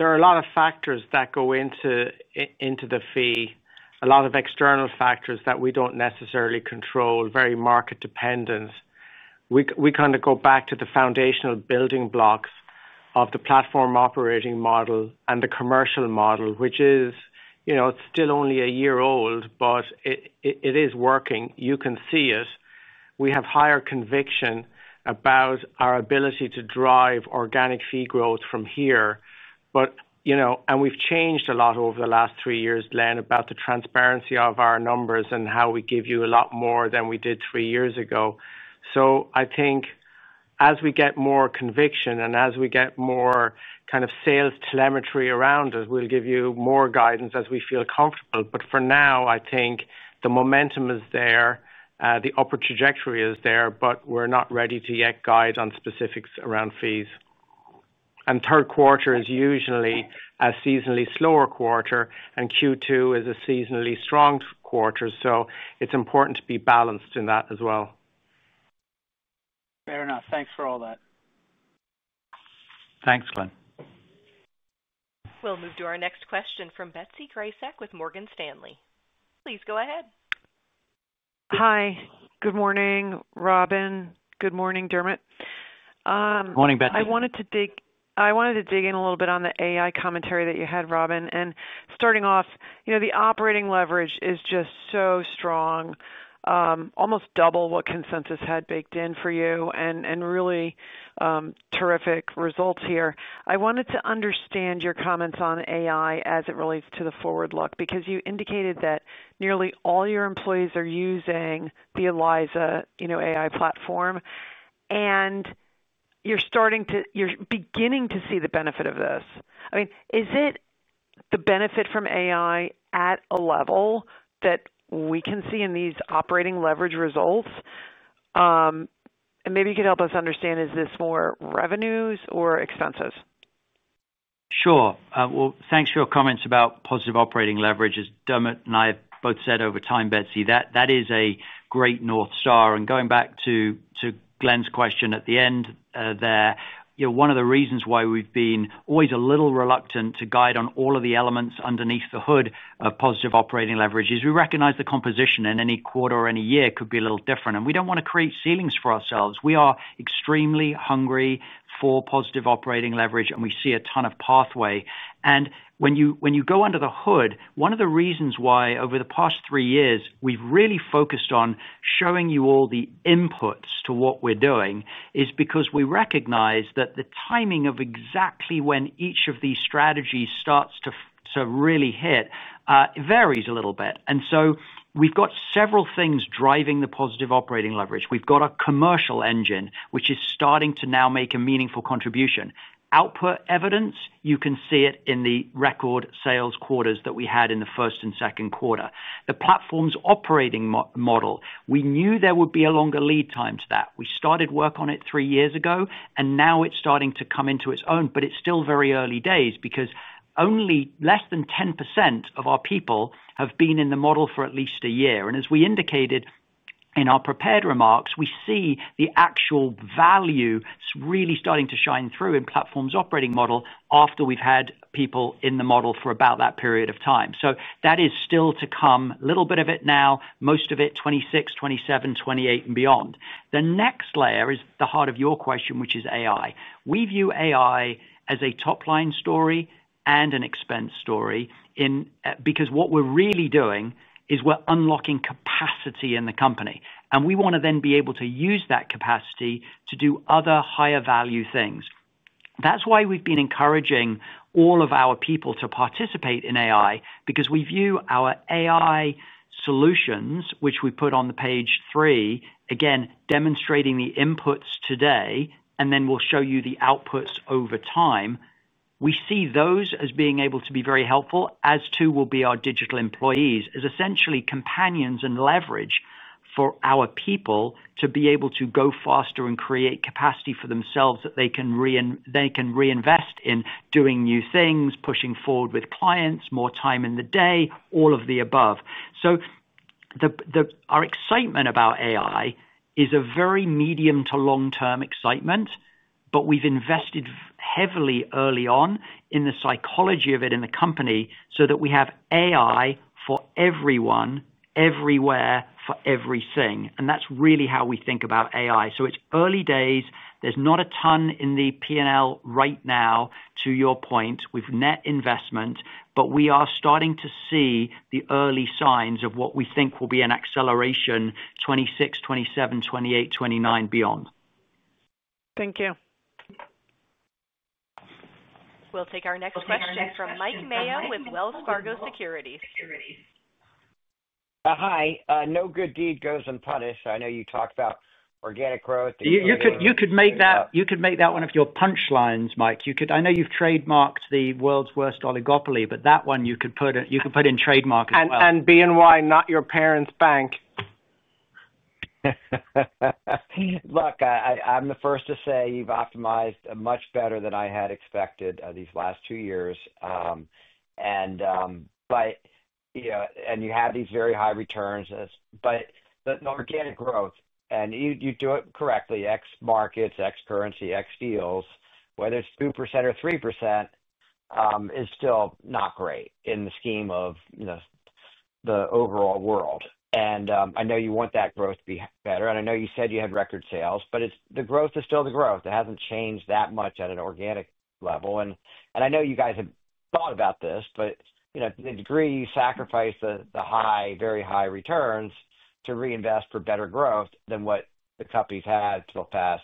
are a lot of factors that go into the fee, a lot of external factors that we do not necessarily control, very market dependent. We kind of go back to the foundational building blocks of the platform operating model and the commercial model, which is still only a year old, but it is working. You can see it. We have higher conviction about our ability to drive organic fee growth from here. We have changed a lot over the last three years, Glenn, about the transparency of our numbers and how we give you a lot more than we did three years ago. I think as we get more conviction and as we get more kind of sales telemetry around us, we will give you more guidance as we feel comfortable. For now, I think the momentum is there. The upper trajectory is there, but we're not ready to yet guide on specifics around fees. Third quarter is usually a seasonally slower quarter, and Q2 is a seasonally strong quarter. It is important to be balanced in that as well. Fair enough. Thanks for all that. Thanks, Glenn. We'll move to our next question from Betsy Graseck with Morgan Stanley. Please go ahead. Hi. Good morning, Robin. Good morning, Dermot. Good morning, Betsy. I wanted to dig in a little bit on the AI commentary that you had, Robin. Starting off, the operating leverage is just so strong. Almost double what consensus had baked in for you and really terrific results here. I wanted to understand your comments on AI as it relates to the forward look because you indicated that nearly all your employees are using the Eliza AI platform. You're beginning to see the benefit of this. I mean, is it the benefit from AI at a level that we can see in these operating leverage results? And maybe you could help us understand, is this more revenues or expenses? Sure. Thanks for your comments about positive operating leverages. Dermot and I have both said over time, Betsy, that that is a great North Star. Going back to Glenn's question at the end there, one of the reasons why we've been always a little reluctant to guide on all of the elements underneath the hood of positive operating leverage is we recognize the composition, and any quarter or any year could be a little different. We do not want to create ceilings for ourselves. We are extremely hungry for positive operating leverage, and we see a ton of pathway. When you go under the hood, one of the reasons why over the past three years we've really focused on showing you all the inputs to what we're doing is because we recognize that the timing of exactly when each of these strategies starts to really hit varies a little bit. We've got several things driving the positive operating leverage. We've got a commercial engine which is starting to now make a meaningful contribution. Output evidence, you can see it in the record sales quarters that we had in the first and second quarter. The platform's operating model, we knew there would be a longer lead time to that. We started work on it three years ago, and now it's starting to come into its own, but it's still very early days because only less than 10% of our people have been in the model for at least a year. As we indicated in our prepared remarks, we see the actual value really starting to shine through in the platform's operating model after we've had people in the model for about that period of time. That is still to come, a little bit of it now, most of it 2026, 2027, 2028, and beyond. The next layer is the heart of your question, which is AI. We view AI as a top-line story and an expense story because what we're really doing is we're unlocking capacity in the company. We want to then be able to use that capacity to do other higher-value things. That's why we've been encouraging all of our people to participate in AI because we view our AI solutions, which we put on page three, again, demonstrating the inputs today, and then we'll show you the outputs over time. We see those as being able to be very helpful, as to will be our digital employees, as essentially companions and leverage for our people to be able to go faster and create capacity for themselves that they can reinvest in doing new things, pushing forward with clients, more time in the day, all of the above. Our excitement about AI is a very medium to long-term excitement, but we've invested heavily early on in the psychology of it in the company so that we have AI for everyone, everywhere, for everything. That's really how we think about AI. It's early days. There's not a ton in the P&L right now, to your point, with net investment, but we are starting to see the early signs of what we think will be an acceleration 2026, 2027, 2028, 2029, beyond. Thank you. We'll take our next question from Mike Mayo with Wells Fargo Securities. Hi. No good deed goes unpunished. I know you talked about organic growth. You could make that one of your punchlines, Mike. I know you've trademarked the world's worst oligopoly, but that one you could put in trademark as well. And BNY, not your parents' bank. Look, I'm the first to say you've optimized much better than I had expected these last two years. You have these very high returns, but the organic growth, and you do it correctly, X markets, X currency, X deals, whether it's 2% or 3%, is still not great in the scheme of. The overall world. I know you want that growth to be better. I know you said you had record sales, but the growth is still the growth. It has not changed that much at an organic level. I know you guys have thought about this, but to the degree you sacrifice the high, very high returns to reinvest for better growth than what the company has had for the past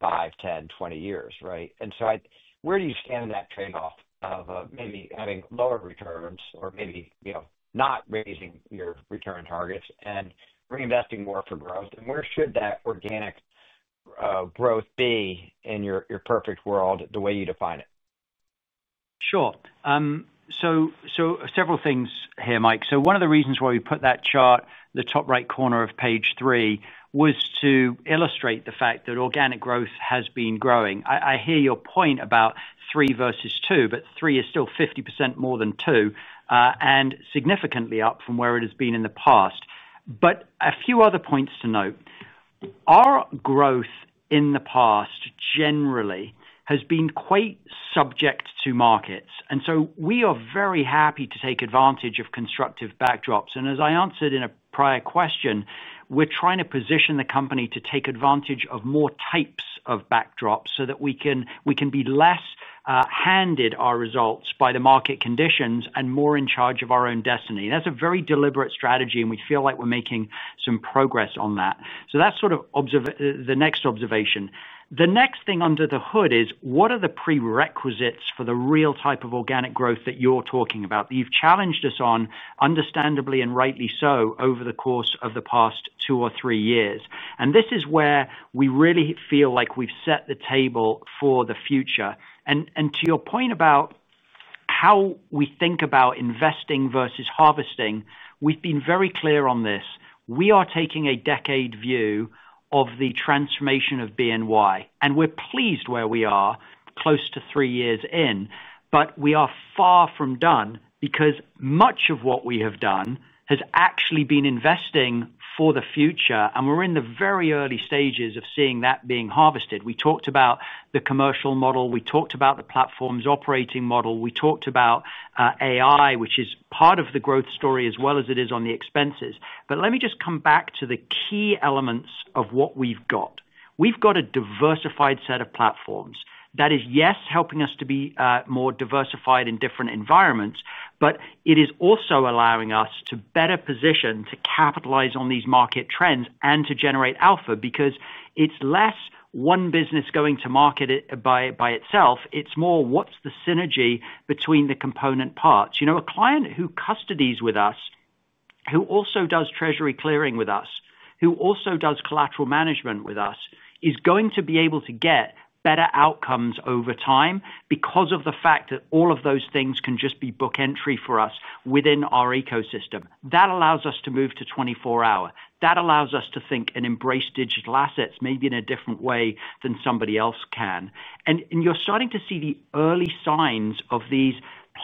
5 years, 10 years, 20 years, right? Where do you stand in that trade-off of maybe having lower returns or maybe not raising your return targets and reinvesting more for growth? Where should that organic growth be in your perfect world, the way you define it? Sure. Several things here, Mike. One of the reasons why we put that chart, the top right corner of page three, was to illustrate the fact that organic growth has been growing. I hear your point about three versus two, but three is still 50% more than two and significantly up from where it has been in the past. A few other points to note. Our growth in the past generally has been quite subject to markets. We are very happy to take advantage of constructive backdrops. As I answered in a prior question, we're trying to position the company to take advantage of more types of backdrops so that we can be less handed our results by the market conditions and more in charge of our own destiny. That is a very deliberate strategy, and we feel like we're making some progress on that. That is sort of the next observation. The next thing under the hood is, what are the prerequisites for the real type of organic growth that you are talking about that you have challenged us on, understandably and rightly so, over the course of the past two or three years? This is where we really feel like we have set the table for the future. To your point about how we think about investing versus harvesting, we have been very clear on this. We are taking a decade view of the transformation of BNY, and we are pleased where we are, close to three years in, but we are far from done because much of what we have done has actually been investing for the future, and we are in the very early stages of seeing that being harvested. We talked about the commercial model. We talked about the platform's operating model. We talked about AI, which is part of the growth story as well as it is on the expenses. Let me just come back to the key elements of what we've got. We've got a diversified set of platforms that is, yes, helping us to be more diversified in different environments, but it is also allowing us to better position to capitalize on these market trends and to generate alpha because it's less one business going to market by itself. It's more what's the synergy between the component parts. A client who custodies with us, who also does treasury clearing with us, who also does collateral management with us, is going to be able to get better outcomes over time because of the fact that all of those things can just be book entry for us within our ecosystem. That allows us to move to 24-hour. That allows us to think and embrace digital assets maybe in a different way than somebody else can. You are starting to see the early signs of these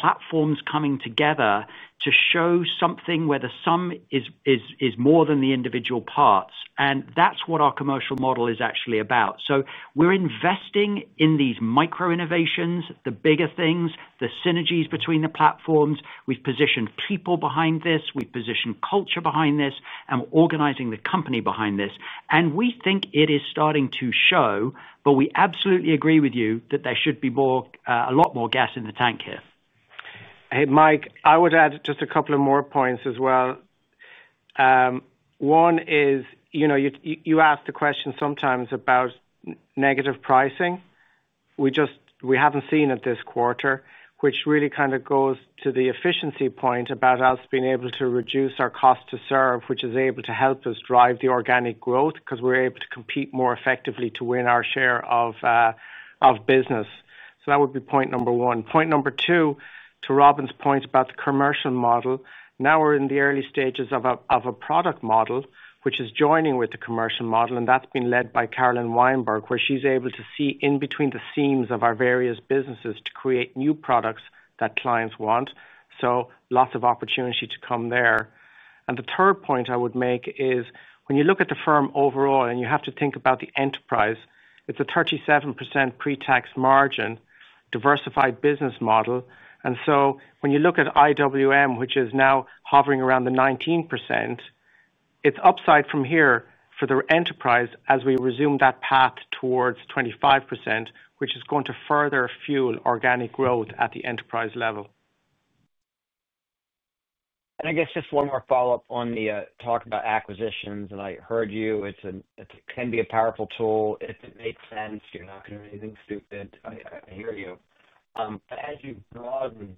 platforms coming together to show something where the sum is more than the individual parts. That is what our commercial model is actually about. We are investing in these micro innovations, the bigger things, the synergies between the platforms. We have positioned people behind this. We have positioned culture behind this, and we are organizing the company behind this. We think it is starting to show, but we absolutely agree with you that there should be a lot more gas in the tank here. Hey, Mike, I would add just a couple of more points as well. One is, you asked the question sometimes about negative pricing. We haven't seen it this quarter, which really kind of goes to the efficiency point about us being able to reduce our cost to serve, which is able to help us drive the organic growth because we're able to compete more effectively to win our share of business. That would be point number one. Point number two, to Robin's point about the commercial model, now we're in the early stages of a product model which is joining with the commercial model, and that's been led by Carolyn Weinberg, where she's able to see in between the seams of our various businesses to create new products that clients want. Lots of opportunity to come there. The third point I would make is when you look at the firm overall, and you have to think about the enterprise, it's a 37% pre-tax margin, diversified business model. When you look at IWM, which is now hovering around 19%, there is upside from here for the enterprise as we resume that path towards 25%, which is going to further fuel organic growth at the enterprise level. I guess just one more follow-up on the talk about acquisitions. I heard you. It can be a powerful tool if it makes sense. You're not going to do anything stupid. I hear you. As you broaden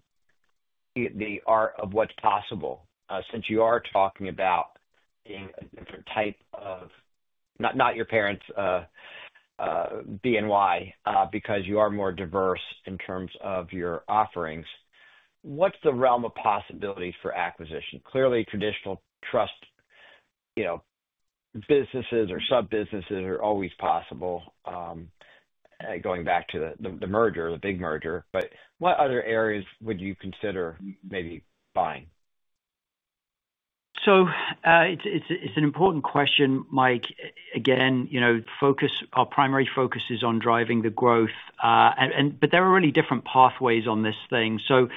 the art of what's possible, since you are talking about being a different type of, not your parents' BNY, because you are more diverse in terms of your offerings, what's the realm of possibilities for acquisition? Clearly, traditional trust businesses or sub-businesses are always possible, going back to the merger, the big merger. What other areas would you consider maybe buying? It is an important question, Mike. Again. Our primary focus is on driving the growth. There are really different pathways on this thing. Two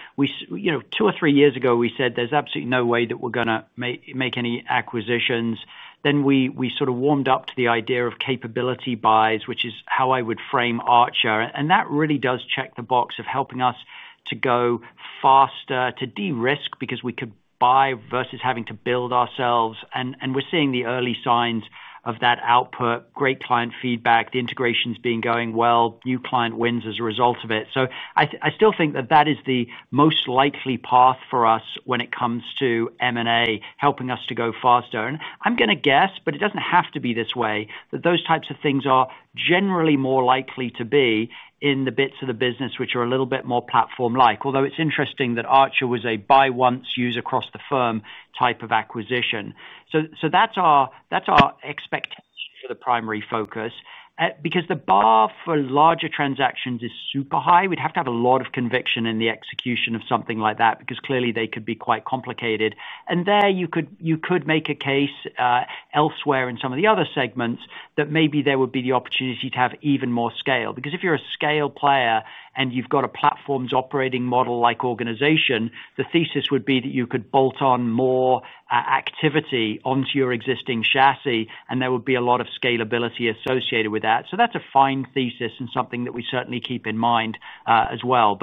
or three years ago, we said there's absolutely no way that we're going to make any acquisitions. We sort of warmed up to the idea of capability buys, which is how I would frame Archer. That really does check the box of helping us to go faster, to de-risk because we could buy versus having to build ourselves. We're seeing the early signs of that output, great client feedback, the integration's been going well, new client wins as a result of it. I still think that that is the most likely path for us when it comes to M&A, helping us to go faster. I'm going to guess, but it doesn't have to be this way, that those types of things are generally more likely to be in the bits of the business which are a little bit more platform-like. Although it's interesting that Archer was a buy once, use across the firm type of acquisition. That's our expectation for the primary focus because the bar for larger transactions is super high. We'd have to have a lot of conviction in the execution of something like that because clearly they could be quite complicated. There you could make a case elsewhere in some of the other segments that maybe there would be the opportunity to have even more scale. Because if you're a scale player and you've got a platform's operating model-like organization, the thesis would be that you could bolt on more activity onto your existing chassis, and there would be a lot of scalability associated with that. That's a fine thesis and something that we certainly keep in mind as well.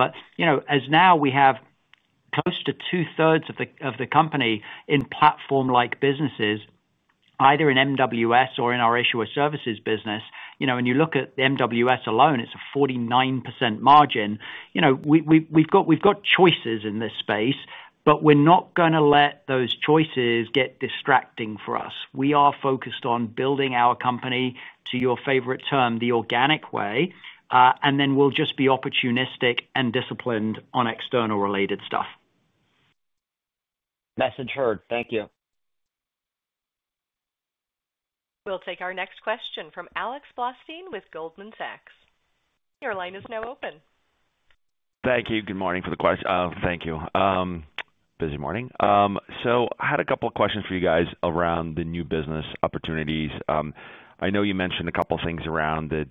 As now we have close to 2/3 of the company in platform-like businesses, either in MWS or in our issuer services business, and you look at MWS alone, it's a 49% margin. We've got choices in this space, but we're not going to let those choices get distracting for us. We are focused on building our company, to your favorite term, the organic way, and then we'll just be opportunistic and disciplined on external-related stuff. Message heard. Thank you. We'll take our next question from Alex Blostein with Goldman Sachs. Your line is now open. Thank you. Good morning for the question. Thank you. Busy morning. I had a couple of questions for you guys around the new business opportunities. I know you mentioned a couple of things around the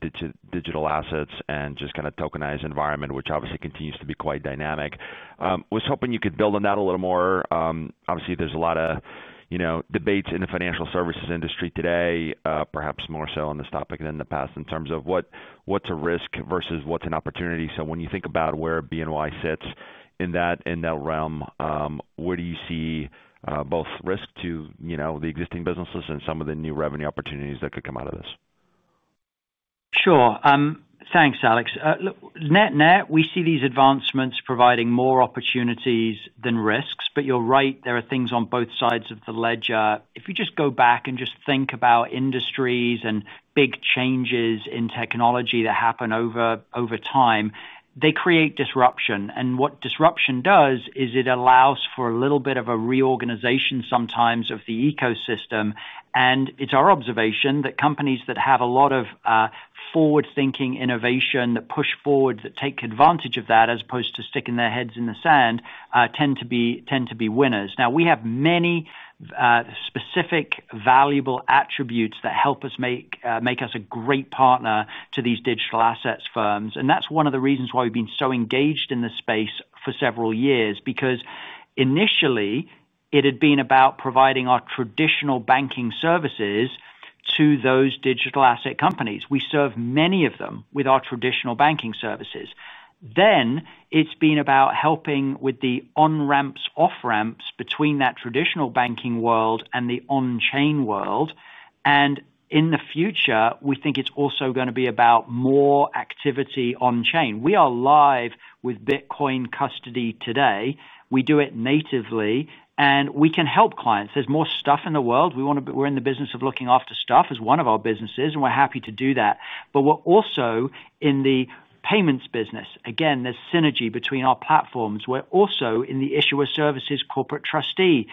digital assets and just kind of tokenized environment, which obviously continues to be quite dynamic. I was hoping you could build on that a little more. Obviously, there's a lot of debates in the financial services industry today, perhaps more so on this topic than in the past, in terms of what's a risk versus what's an opportunity. When you think about where BNY sits in that realm, where do you see both risk to the existing businesses and some of the new revenue opportunities that could come out of this? Sure. Thanks, Alex. Net-net, we see these advancements providing more opportunities than risks. You are right, there are things on both sides of the ledger. If you just go back and think about industries and big changes in technology that happen over time, they create disruption. What disruption does is it allows for a little bit of a reorganization sometimes of the ecosystem. It is our observation that companies that have a lot of forward-thinking innovation, that push forward, that take advantage of that as opposed to sticking their heads in the sand, tend to be winners. Now, we have many specific valuable attributes that help make us a great partner to these digital assets firms. That is one of the reasons why we have been so engaged in this space for several years, because initially, it had been about providing our traditional banking services to those digital asset companies. We serve many of them with our traditional banking services. It has been about helping with the on-ramps, off-ramps between that traditional banking world and the on-chain world. In the future, we think it is also going to be about more activity on-chain. We are live with Bitcoin custody today. We do it natively, and we can help clients. There is more stuff in the world. We are in the business of looking after stuff as one of our businesses, and we are happy to do that. We are also in the payments business. Again, there is synergy between our platforms. We are also in the issuer services corporate trustee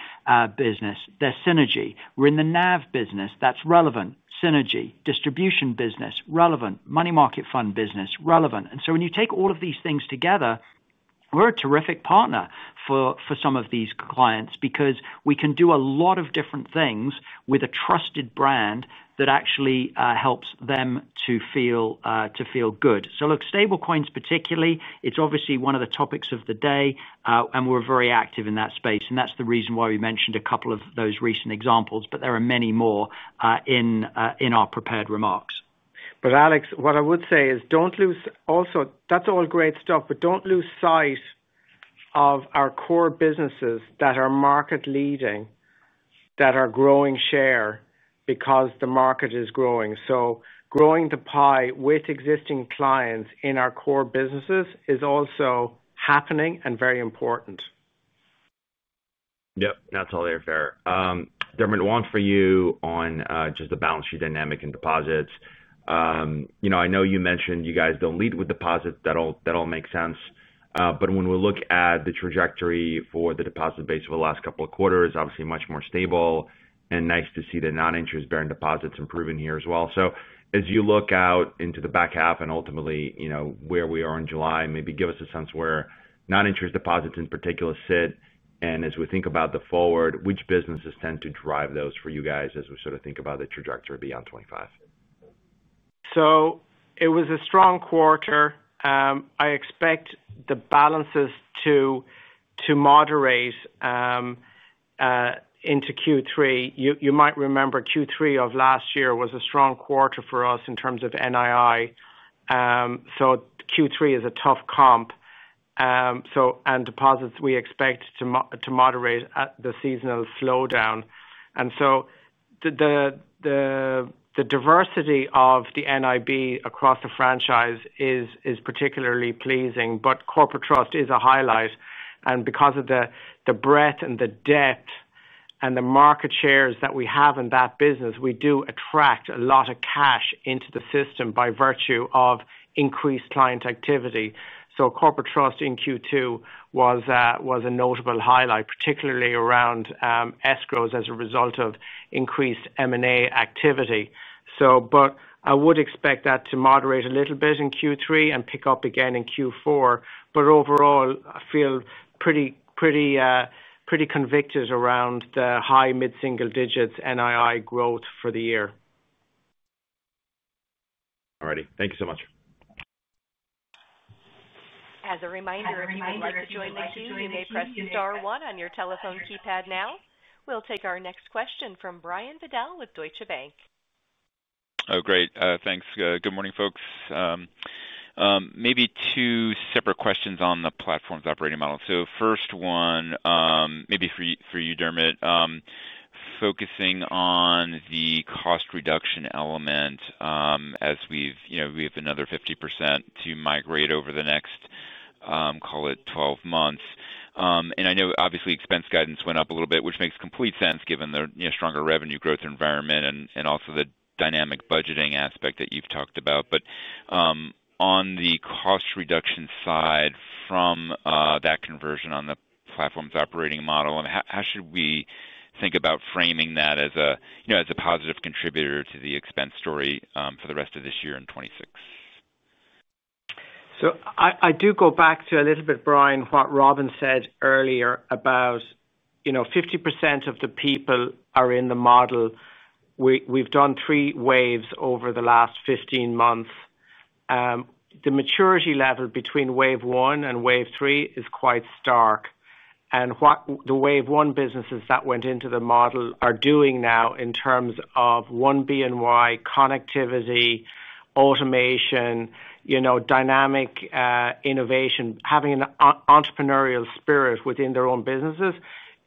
business. There is synergy. We are in the NAV business. That is relevant. Synergy. Distribution business. Relevant. Money Market Fund business. Relevant. When you take all of these things together, we're a terrific partner for some of these clients because we can do a lot of different things with a trusted brand that actually helps them to feel good. Stablecoins particularly, it's obviously one of the topics of the day, and we're very active in that space. That's the reason why we mentioned a couple of those recent examples, but there are many more in our prepared remarks. Alex, what I would say is that's all great stuff, but don't lose sight of our core businesses that are market-leading, that are growing share because the market is growing. Growing the pie with existing clients in our core businesses is also happening and very important. Yep. That's all fair. Dermot, one for you on just the balance sheet dynamic and deposits. I know you mentioned you guys do not lead with deposits. That all makes sense. When we look at the trajectory for the deposit base over the last couple of quarters, obviously much more stable and nice to see the non-interest bearing deposits improving here as well. As you look out into the back half and ultimately where we are in July, maybe give us a sense where non-interest deposits in particular sit. As we think about the forward, which businesses tend to drive those for you guys as we sort of think about the trajectory beyond 2025? It was a strong quarter. I expect the balances to moderate into Q3. You might remember Q3 of last year was a strong quarter for us in terms of NII. Q3 is a tough comp. Deposits, we expect to moderate the seasonal slowdown. The diversity of the NIB across the franchise is particularly pleasing, but corporate trust is a highlight. Because of the breadth and the depth and the market shares that we have in that business, we do attract a lot of cash into the system by virtue of increased client activity. Corporate trust in Q2 was a notable highlight, particularly around escrows as a result of increased M&A activity. I would expect that to moderate a little bit in Q3 and pick up again in Q4. Overall, I feel pretty convicted around the high mid-single digits NII growth for the year. All righty. Thank you so much. As a reminder, if you'd like to join the Q&A, press star one on your telephone keypad now. We'll take our next question from Brian Vidal with Deutsche Bank. Oh, great. Thanks. Good morning, folks. Maybe two separate questions on the platform's operating model. First one, maybe for you, Dermot. Focusing on the cost reduction element. As we have another 50% to migrate over the next, call it, 12 months. I know, obviously, expense guidance went up a little bit, which makes complete sense given the stronger revenue growth environment and also the dynamic budgeting aspect that you've talked about. On the cost reduction side from that conversion on the platform's operating model, how should we think about framing that as a positive contributor to the expense story for the rest of this year in 2026? I do go back to a little bit, Brian, what Robin said earlier about 50% of the people are in the model. We've done three waves over the last 15 months. The maturity level between wave one and wave three is quite stark. What the wave one businesses that went into the model are doing now in terms of BNY connectivity, automation, dynamic innovation, having an entrepreneurial spirit within their own businesses.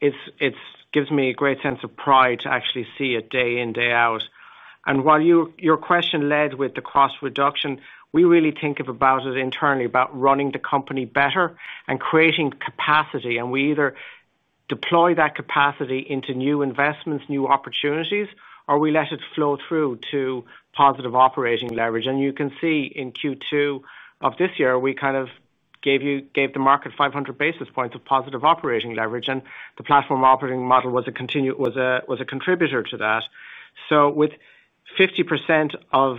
It gives me a great sense of pride to actually see it day in, day out. While your question led with the cost reduction, we really think about it internally, about running the company better and creating capacity. We either deploy that capacity into new investments, new opportunities, or we let it flow through to positive operating leverage. You can see in Q2 of this year, we kind of gave the market 500 basis points of positive operating leverage, and the platform operating model was a contributor to that. With 50% of.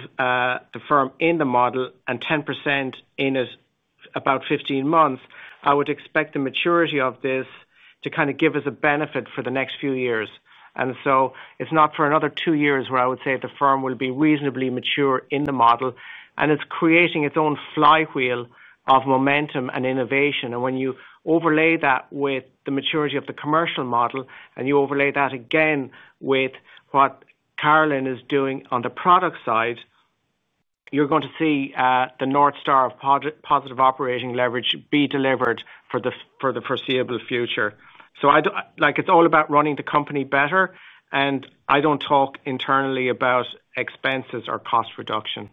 The firm in the model and 10% in about 15 months, I would expect the maturity of this to kind of give us a benefit for the next few years. It is not for another two years where I would say the firm will be reasonably mature in the model. It is creating its own flywheel of momentum and innovation. When you overlay that with the maturity of the commercial model and you overlay that again with what Carolyn is doing on the product side, you are going to see the North Star of positive operating leverage be delivered for the foreseeable future. It is all about running the company better, and I do not talk internally about expenses or cost reduction.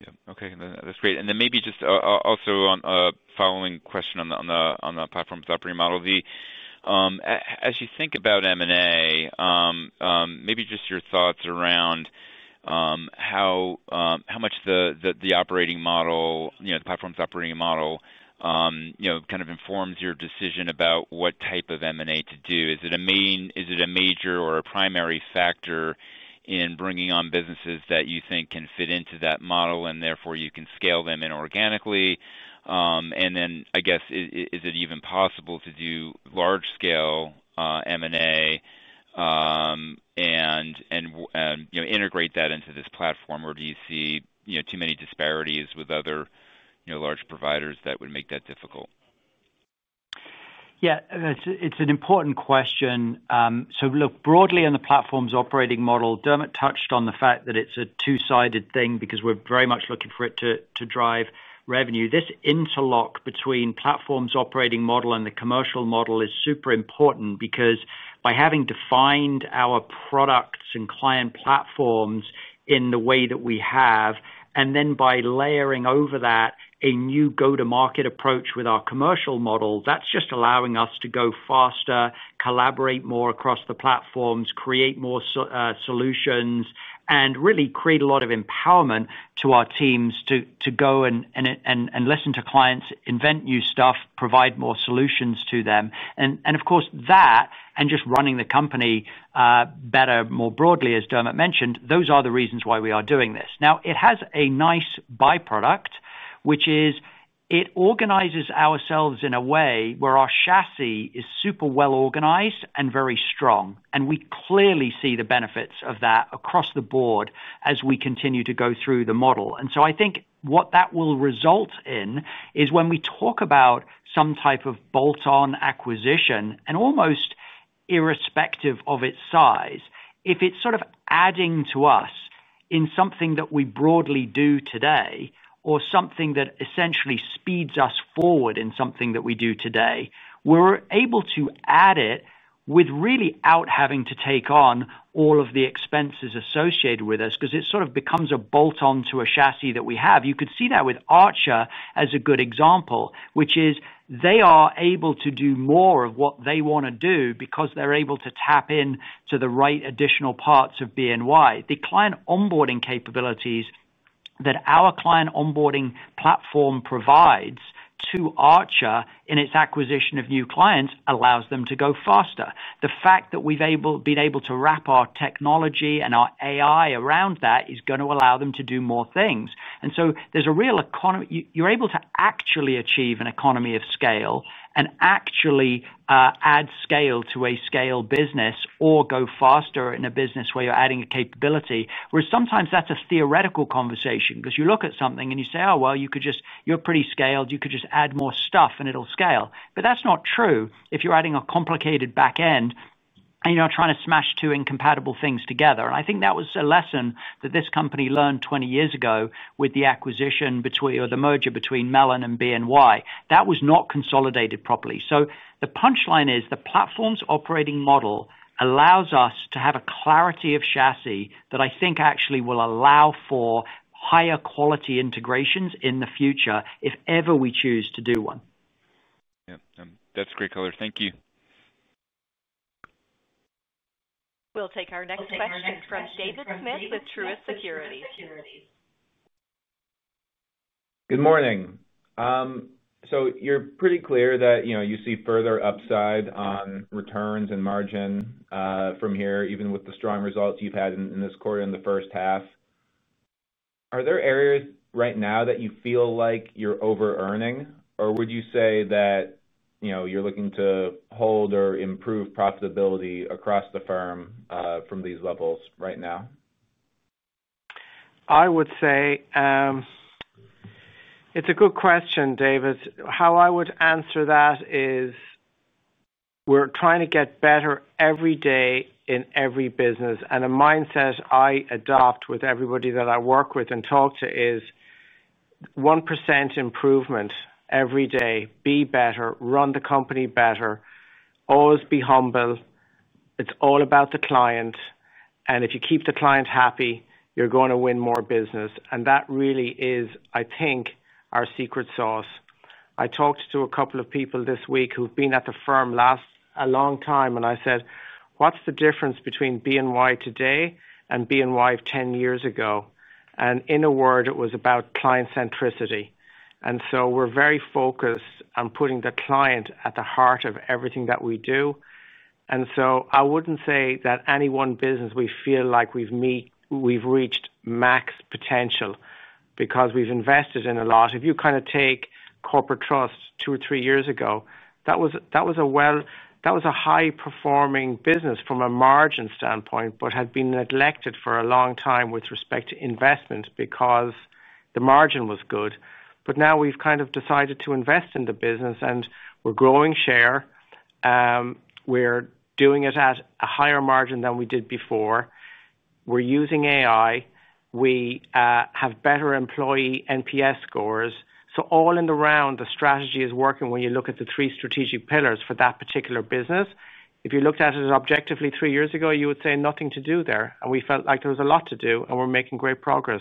Yeah. Okay. That is great. Maybe just also on a following question on the platform's operating model. As you think about M&A. Maybe just your thoughts around. How much the operating model, the platform's operating model, kind of informs your decision about what type of M&A to do. Is it a major or a primary factor in bringing on businesses that you think can fit into that model and therefore you can scale them in organically? I guess, is it even possible to do large-scale M&A and integrate that into this platform, or do you see too many disparities with other large providers that would make that difficult? Yeah. It's an important question. Look, broadly on the platform's operating model, Dermot touched on the fact that it's a two-sided thing because we're very much looking for it to drive revenue. This interlock between platform's operating model and the commercial model is super important because by having defined our products and client platforms in the way that we have, and then by layering over that a new go-to-market approach with our commercial model, that's just allowing us to go faster, collaborate more across the platforms, create more solutions, and really create a lot of empowerment to our teams to go and listen to clients, invent new stuff, provide more solutions to them. Of course, that and just running the company better more broadly, as Dermot mentioned, those are the reasons why we are doing this. Now, it has a nice byproduct, which is it organizes ourselves in a way where our chassis is super well-organized and very strong. We clearly see the benefits of that across the board as we continue to go through the model. I think what that will result in is when we talk about some type of bolt-on acquisition, and almost irrespective of its size, if it's sort of adding to us in something that we broadly do today or something that essentially speeds us forward in something that we do today, we're able to add it without really having to take on all of the expenses associated with us because it sort of becomes a bolt-on to a chassis that we have. You could see that with Archer as a good example, which is they are able to do more of what they want to do because they're able to tap into the right additional parts of BNY. The client onboarding capabilities that our client onboarding platform provides to Archer in its acquisition of new clients allows them to go faster. The fact that we've been able to wrap our technology and our AI around that is going to allow them to do more things. There is a real economy; you're able to actually achieve an economy of scale and actually add scale to a scale business or go faster in a business where you're adding a capability, whereas sometimes that's a theoretical conversation because you look at something and you say, "Oh, well, you could just—you're pretty scaled. You could just add more stuff and it'll scale." That is not true if you're adding a complicated back end and you're not trying to smash two incompatible things together. I think that was a lesson that this company learned 20 years ago with the acquisition or the merger between Mellon and BNY. That was not consolidated properly. The punchline is the platform's operating model allows us to have a clarity of chassis that I think actually will allow for higher quality integrations in the future if ever we choose to do one. Yeah. That's great, Cowler. Thank you. We'll take our next question from David Smith with Truist Securities. Good morning. You're pretty clear that you see further upside on returns and margin from here, even with the strong results you've had in this quarter and the first half. Are there areas right now that you feel like you're over-earning, or would you say that you're looking to hold or improve profitability across the firm from these levels right now? I would say it's a good question, David. How I would answer that is we're trying to get better every day in every business. A mindset I adopt with everybody that I work with and talk to is 1% improvement every day. Be better. Run the company better. Always be humble. It is all about the client. If you keep the client happy, you are going to win more business. That really is, I think, our secret sauce. I talked to a couple of people this week who have been at the firm a long time, and I said, "What is the difference between BNY today and BNY 10 years ago?" In a word, it was about client centricity. We are very focused on putting the client at the heart of everything that we do. I would not say that any one business we feel like we have reached max potential because we have invested in a lot. If you kind of take corporate trust two or three years ago, that was a high-performing business from a margin standpoint but had been neglected for a long time with respect to investments because the margin was good. Now we have kind of decided to invest in the business, and we're growing share. We're doing it at a higher margin than we did before. We're using AI. We have better employee NPS scores. All in around, the strategy is working when you look at the three strategic pillars for that particular business. If you looked at it objectively three years ago, you would say nothing to do there. We felt like there was a lot to do, and we're making great progress.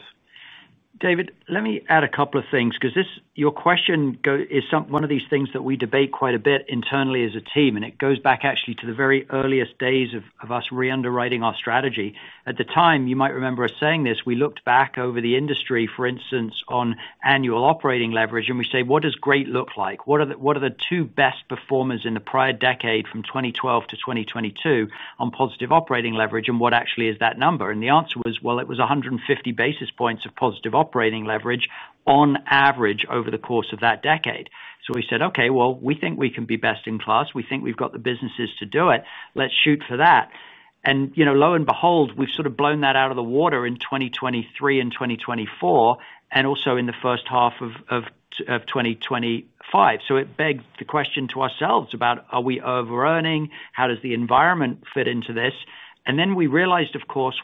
David, let me add a couple of things because your question is one of these things that we debate quite a bit internally as a team, and it goes back actually to the very earliest days of us re-underwriting our strategy. At the time, you might remember us saying this, we looked back over the industry, for instance, on annual operating leverage, and we say, "What does great look like? What are the two best performers in the prior decade from 2012 - 2022 on positive operating leverage, and what actually is that number?" The answer was, well, it was 150 basis points of positive operating leverage on average over the course of that decade. We said, "Okay. We think we can be best in class. We think we've got the businesses to do it. Let's shoot for that." Lo and behold, we've sort of blown that out of the water in 2023 and 2024 and also in the first half of 2025. It begged the question to ourselves about, are we over-earning? How does the environment fit into this? We realized, of course,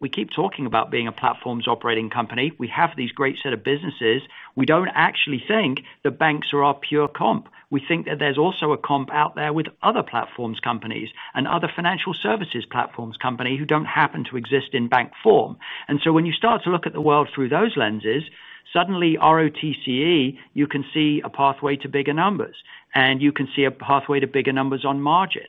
we keep talking about being a platform's operating company. We have these great set of businesses. We do not actually think that banks are our pure comp. We think that there is also a comp out there with other platforms companies and other financial services platforms companies who do not happen to exist in bank form. When you start to look at the world through those lenses, suddenly, ROTCE, you can see a pathway to bigger numbers, and you can see a pathway to bigger numbers on margin.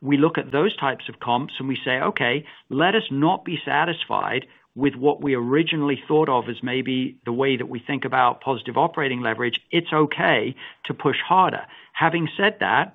We look at those types of comps, and we say, "Okay. Let us not be satisfied with what we originally thought of as maybe the way that we think about positive operating leverage. It's okay to push harder." Having said that,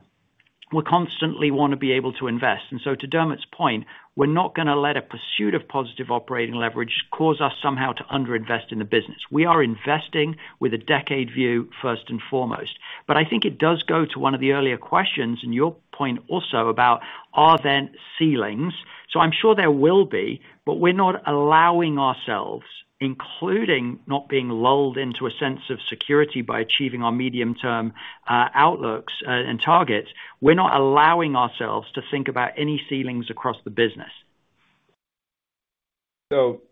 we constantly want to be able to invest. To Dermot's point, we're not going to let a pursuit of positive operating leverage cause us somehow to under-invest in the business. We are investing with a decade view first and foremost. I think it does go to one of the earlier questions and your point also about are there ceilings. I'm sure there will be, but we're not allowing ourselves, including not being lulled into a sense of security by achieving our medium-term outlooks and targets, we're not allowing ourselves to think about any ceilings across the business.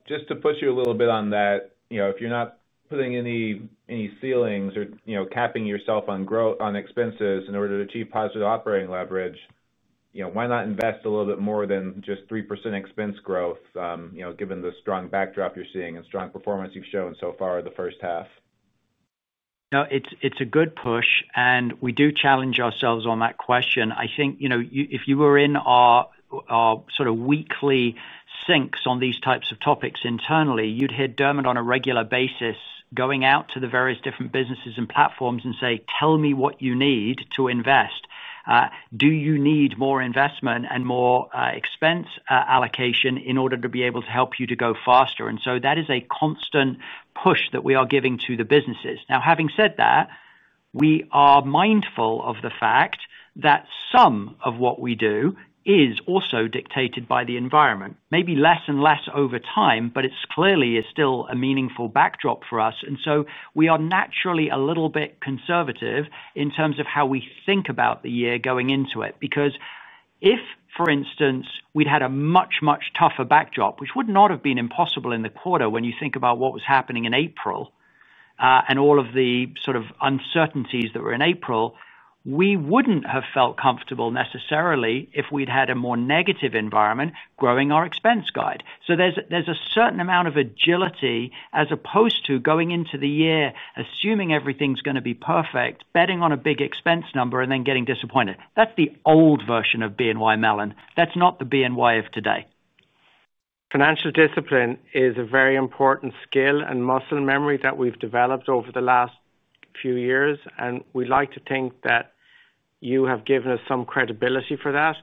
Just to push you a little bit on that, if you're not putting any ceilings or capping yourself on expenses in order to achieve positive operating leverage, why not invest a little bit more than just 3% expense growth given the strong backdrop you're seeing and strong performance you've shown so far the first half? It's a good push, and we do challenge ourselves on that question. I think if you were in our sort of weekly syncs on these types of topics internally, you'd hear Dermot on a regular basis going out to the various different businesses and platforms and say, "Tell me what you need to invest. Do you need more investment and more expense allocation in order to be able to help you to go faster?" That is a constant push that we are giving to the businesses. Now, having said that. We are mindful of the fact that some of what we do is also dictated by the environment, maybe less and less over time, but it clearly is still a meaningful backdrop for us. We are naturally a little bit conservative in terms of how we think about the year going into it because if, for instance, we had a much, much tougher backdrop, which would not have been impossible in the quarter when you think about what was happening in April. All of the sort of uncertainties that were in April, we would not have felt comfortable necessarily if we had a more negative environment growing our expense guide. There is a certain amount of agility as opposed to going into the year assuming everything is going to be perfect, betting on a big expense number, and then getting disappointed. That is the old version of BNY Mellon. That's not the BNY of today. Financial discipline is a very important skill and muscle memory that we've developed over the last few years, and we'd like to think that. You have given us some credibility for that.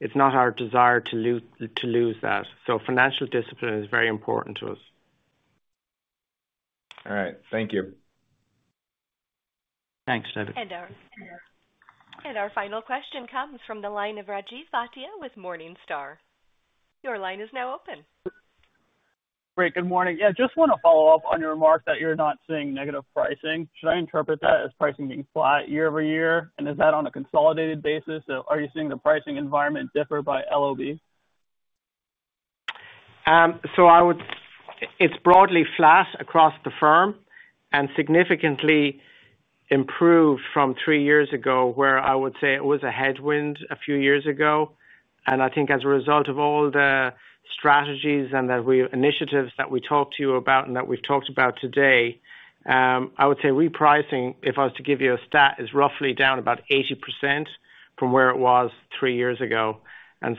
It's not our desire to lose that. Financial discipline is very important to us. All right. Thank you. Thanks, David. Our final question comes from the line of Rajiv Bhatia with Morningstar. Your line is now open. Great. Good morning. Yeah. Just want to follow up on your remark that you're not seeing negative pricing. Should I interpret that as pricing being flat year over year? Is that on a consolidated basis? Are you seeing the pricing environment differ by LOB? It's broadly flat across the firm and significantly improved from three years ago where I would say it was a headwind a few years ago. I think as a result of all the strategies and initiatives that we talked to you about and that we've talked about today. I would say repricing, if I was to give you a stat, is roughly down about 80% from where it was three years ago.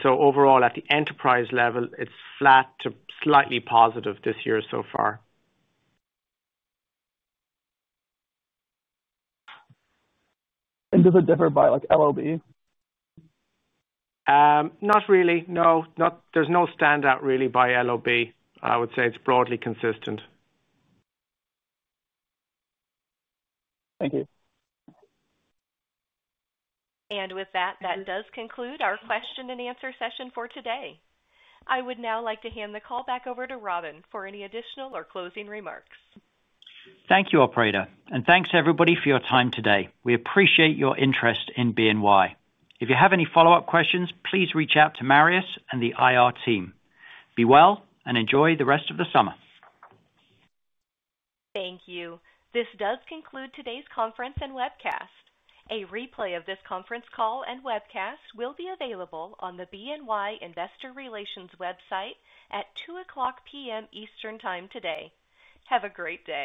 Overall, at the enterprise level, it's flat to slightly positive this year so far. Does it differ by LOB? Not really. No. There's no standout really by LOB. I would say it's broadly consistent. Thank you. With that, that does conclude our question and answer session for today. I would now like to hand the call back over to Robin for any additional or closing remarks. Thank you, operator. Thanks, everybody, for your time today. We appreciate your interest in BNY. If you have any follow-up questions, please reach out to Marius and the IR team. Be well and enjoy the rest of the summer. Thank you. This does conclude today's conference and webcast. A replay of this conference call and webcast will be available on the BNY Investor Relations website at 2:00 P.M. Eastern Time today. Have a great day.